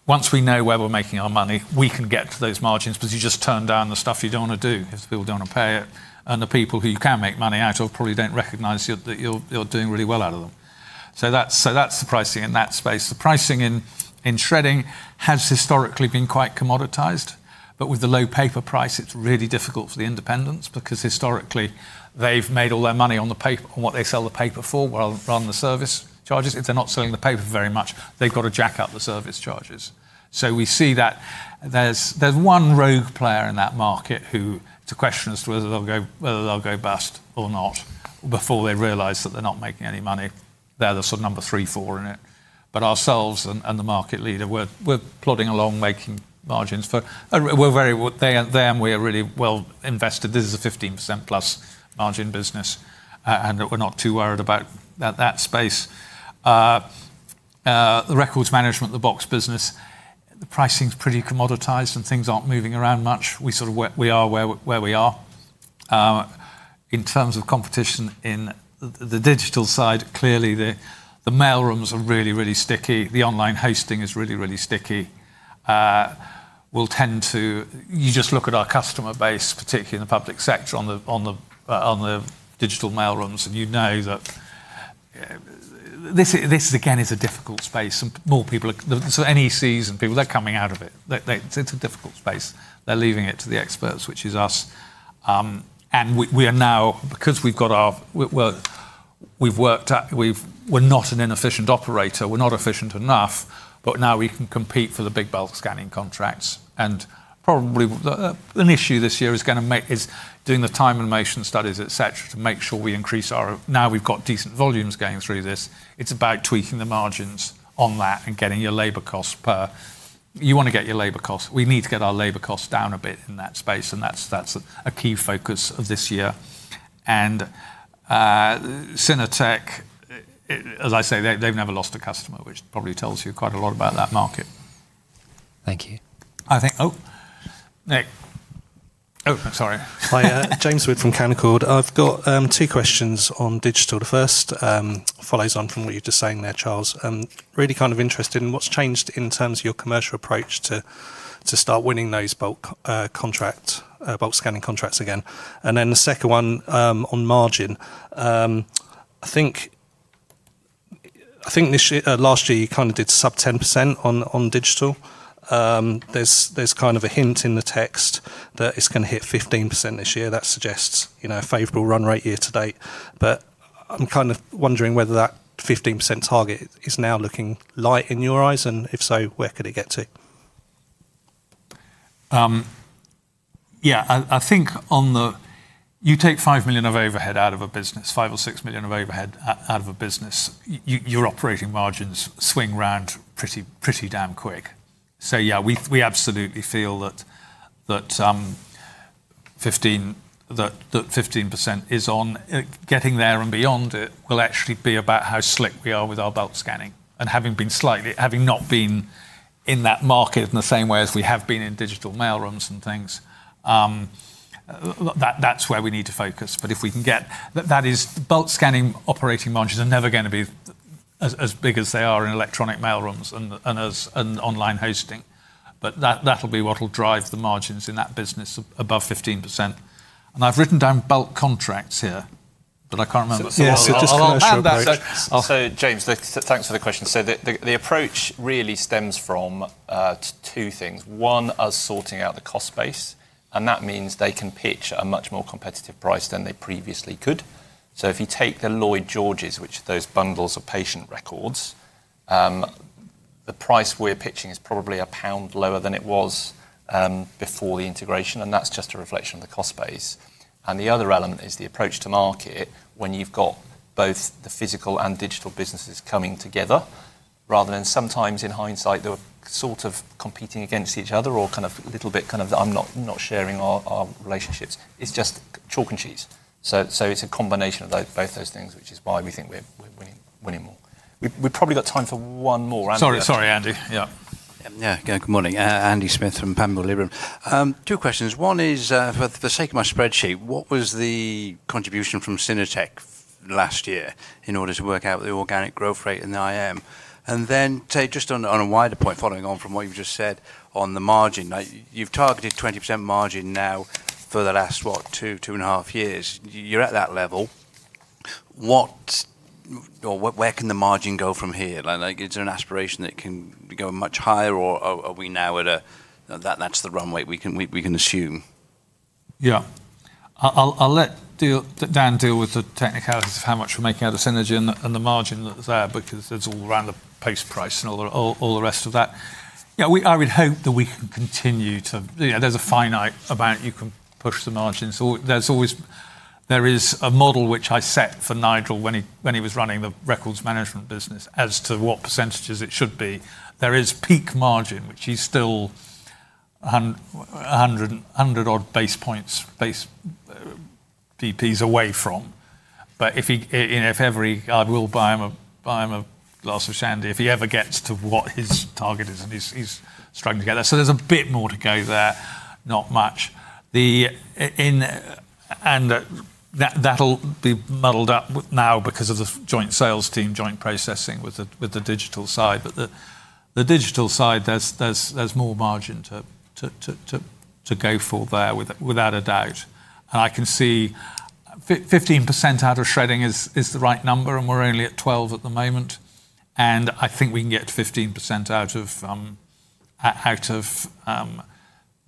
Once we know where we're making our money, we can get to those margins because you just turn down the stuff you don't want to do if people don't want to pay it. The people who you can make money out of probably don't recognize that you're doing really well out of them. That's the pricing in that space. The pricing in shredding has historically been quite commoditized, but with the low paper price, it's really difficult for the independents because historically they've made all their money on the paper, on what they sell the paper for rather than the service charges. If they're not selling the paper very much, they've got to jack up the service charges. We see that there's one rogue player in that market who it's a question as to whether they'll go bust or not before they realize that they're not making any money. They're the sort of number three, four in it. Ourselves and the market leader, we're plodding along, making margins. We are really well invested. This is a 15%+ margin business, and we're not too worried about that space. The records management, the box business, the pricing's pretty commoditized, and things aren't moving around much. We are where we are. In terms of competition in the digital side, clearly the mailrooms are really sticky. The online hosting is really sticky. You just look at our customer base, particularly in the public sector on the digital mailrooms, and you know that this again is a difficult space and more people, so NEC and people, they're coming out of it. It's a difficult space. They're leaving it to the experts, which is us. We're not an inefficient operator. We're not efficient enough, but now we can compete for the big bulk scanning contracts. An issue this year is doing the time and motion studies, et cetera, to make sure we increase our, now we've got decent volumes going through this, it's about tweaking the margins on that and getting your labor costs per, we need to get our labor costs down a bit in that space, and that's a key focus of this year. Synertec, as I say, they've never lost a customer, which probably tells you quite a lot about that market. Thank you. Oh. Nick. Oh, sorry. Hi, James Wood from Canaccord Genuity. I've got two questions on digital. The first follows on from what you were just saying there, Charles. Really kind of interested in what's changed in terms of your commercial approach to start winning those bulk scanning contracts again. Then the second one on margin. I think last year you kinda did sub 10% on digital. There's kind of a hint in the text that it's gonna hit 15% this year. That suggests, you know, a favorable run rate year to date. I'm kind of wondering whether that 15% target is now looking light in your eyes and, if so, where could it get to? I think. You take 5 million or 6 million of overhead out of a business, your operating margins swing round pretty damn quick. We absolutely feel that 15% is on. Getting there and beyond it will actually be about how slick we are with our bulk scanning and having not been in that market in the same way as we have been in digital mailrooms and things. That's where we need to focus. Bulk scanning operating margins are never gonna be as big as they are in electronic mailrooms and as online hosting. That'll be what will drive the margins in that business above 15%. I've written down bulk contracts here, but I can't remember. Yeah. Just commercial approach. I'll add that. James, thanks for the question. The approach really stems from two things. One, us sorting out the cost base, and that means they can pitch a much more competitive price than they previously could. If you take the Lloyd George, which those bundles of patient records, the price we're pitching is probably GBP 1 lower than it was before the integration, and that's just a reflection of the cost base. The other element is the approach to market when you've got both the physical and digital businesses coming together rather than sometimes in hindsight, they're sort of competing against each other or kind of little bit kind of the I'm not sharing our relationships. It's just chalk and cheese. It's a combination of both those things, which is why we think we're winning more. We probably got time for one more. Andy, yeah. Sorry, Andy. Yeah. Yeah. Good morning. Andy Smith from Panmure Liberum. Two questions. One is, for the sake of my spreadsheet, what was the contribution from Synertec last year in order to work out the organic growth rate in the IM? And then, Tate, just on a wider point, following on from what you've just said on the margin. Now you've targeted 20% margin now for the last, what, two and a half years. You're at that level. What or where can the margin go from here? Like, is there an aspiration that it can go much higher or are we now at a, that's the runway we can assume? Yeah. I'll let Dan deal with the technicalities of how much we're making out of synergy and the margin that's there because it's all around the base price and all the rest of that. Yeah, I would hope that we can continue to. You know, there's a finite amount you can push the margins. There's always. There is a model which I set for Nigel when he was running the records management business as to what percentages it should be. There is peak margin, which he's still 100 odd basis points away from. But if he, you know, if he ever I will buy him a glass of Shandy if he ever gets to what his target is, and he's struggling to get there. There's a bit more to go there, not much. That'll be muddled up with now because of the joint sales team, joint processing with the digital side. The digital side, there's more margin to go for there without a doubt. I can see 15% out of shredding is the right number, and we're only at 12% at the moment. I think we can get 15% out of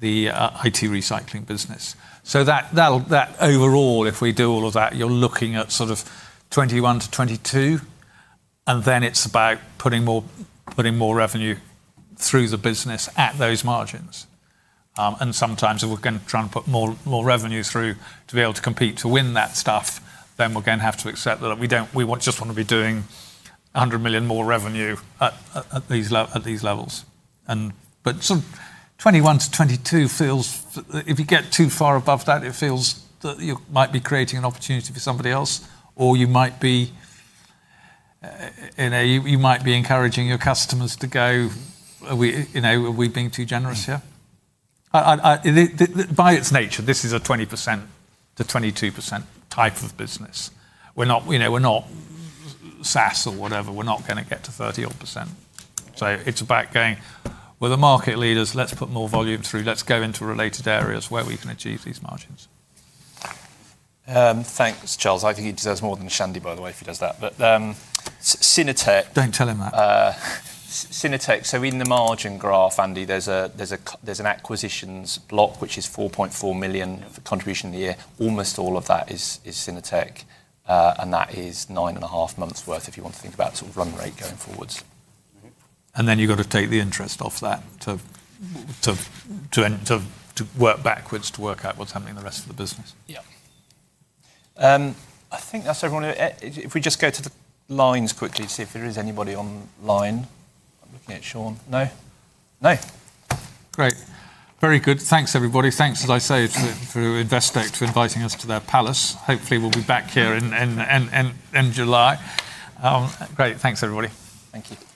the IT recycling business. That overall, if we do all of that, you're looking at sort of 21%-22%, and then it's about putting more revenue through the business at those margins. Sometimes if we're gonna try and put more revenue through to be able to compete to win that stuff, then we're gonna have to accept that we want just wanna be doing 100 million more revenue at these levels. But sort of 21%-22% feels if you get too far above that, it feels that you might be creating an opportunity for somebody else, or you might be, you know, you might be encouraging your customers to go, are we, you know, are we being too generous here? By its nature, this is a 20%-22% type of business. We're not, you know, we're not SaaS or whatever. We're not gonna get to 30-odd%. So it's about going, we're the market leaders, let's put more volume through. Let's go into related areas where we can achieve these margins. Thanks, Charles. I think he deserves more than a shandy, by the way, if he does that. Synertec- Don't tell him that. Synertec. In the margin graph, Andy, there's an acquisitions block, which is 4.4 million contribution a year. Almost all of that is Synertec, and that is nine and a half months worth if you want to think about sort of run rate going forwards. Mm-hmm. You've got to take the interest off that to work backwards to work out what's happening in the rest of the business. Yeah. I think that's everyone. If we just go to the lines quickly to see if there is anybody online. I'm looking at Sean. No? No. Great. Very good. Thanks, everybody. Thanks, as I say, to Investec for inviting us to their palace. Hopefully, we'll be back here in July. Great. Thanks, everybody. Thank you. Bye.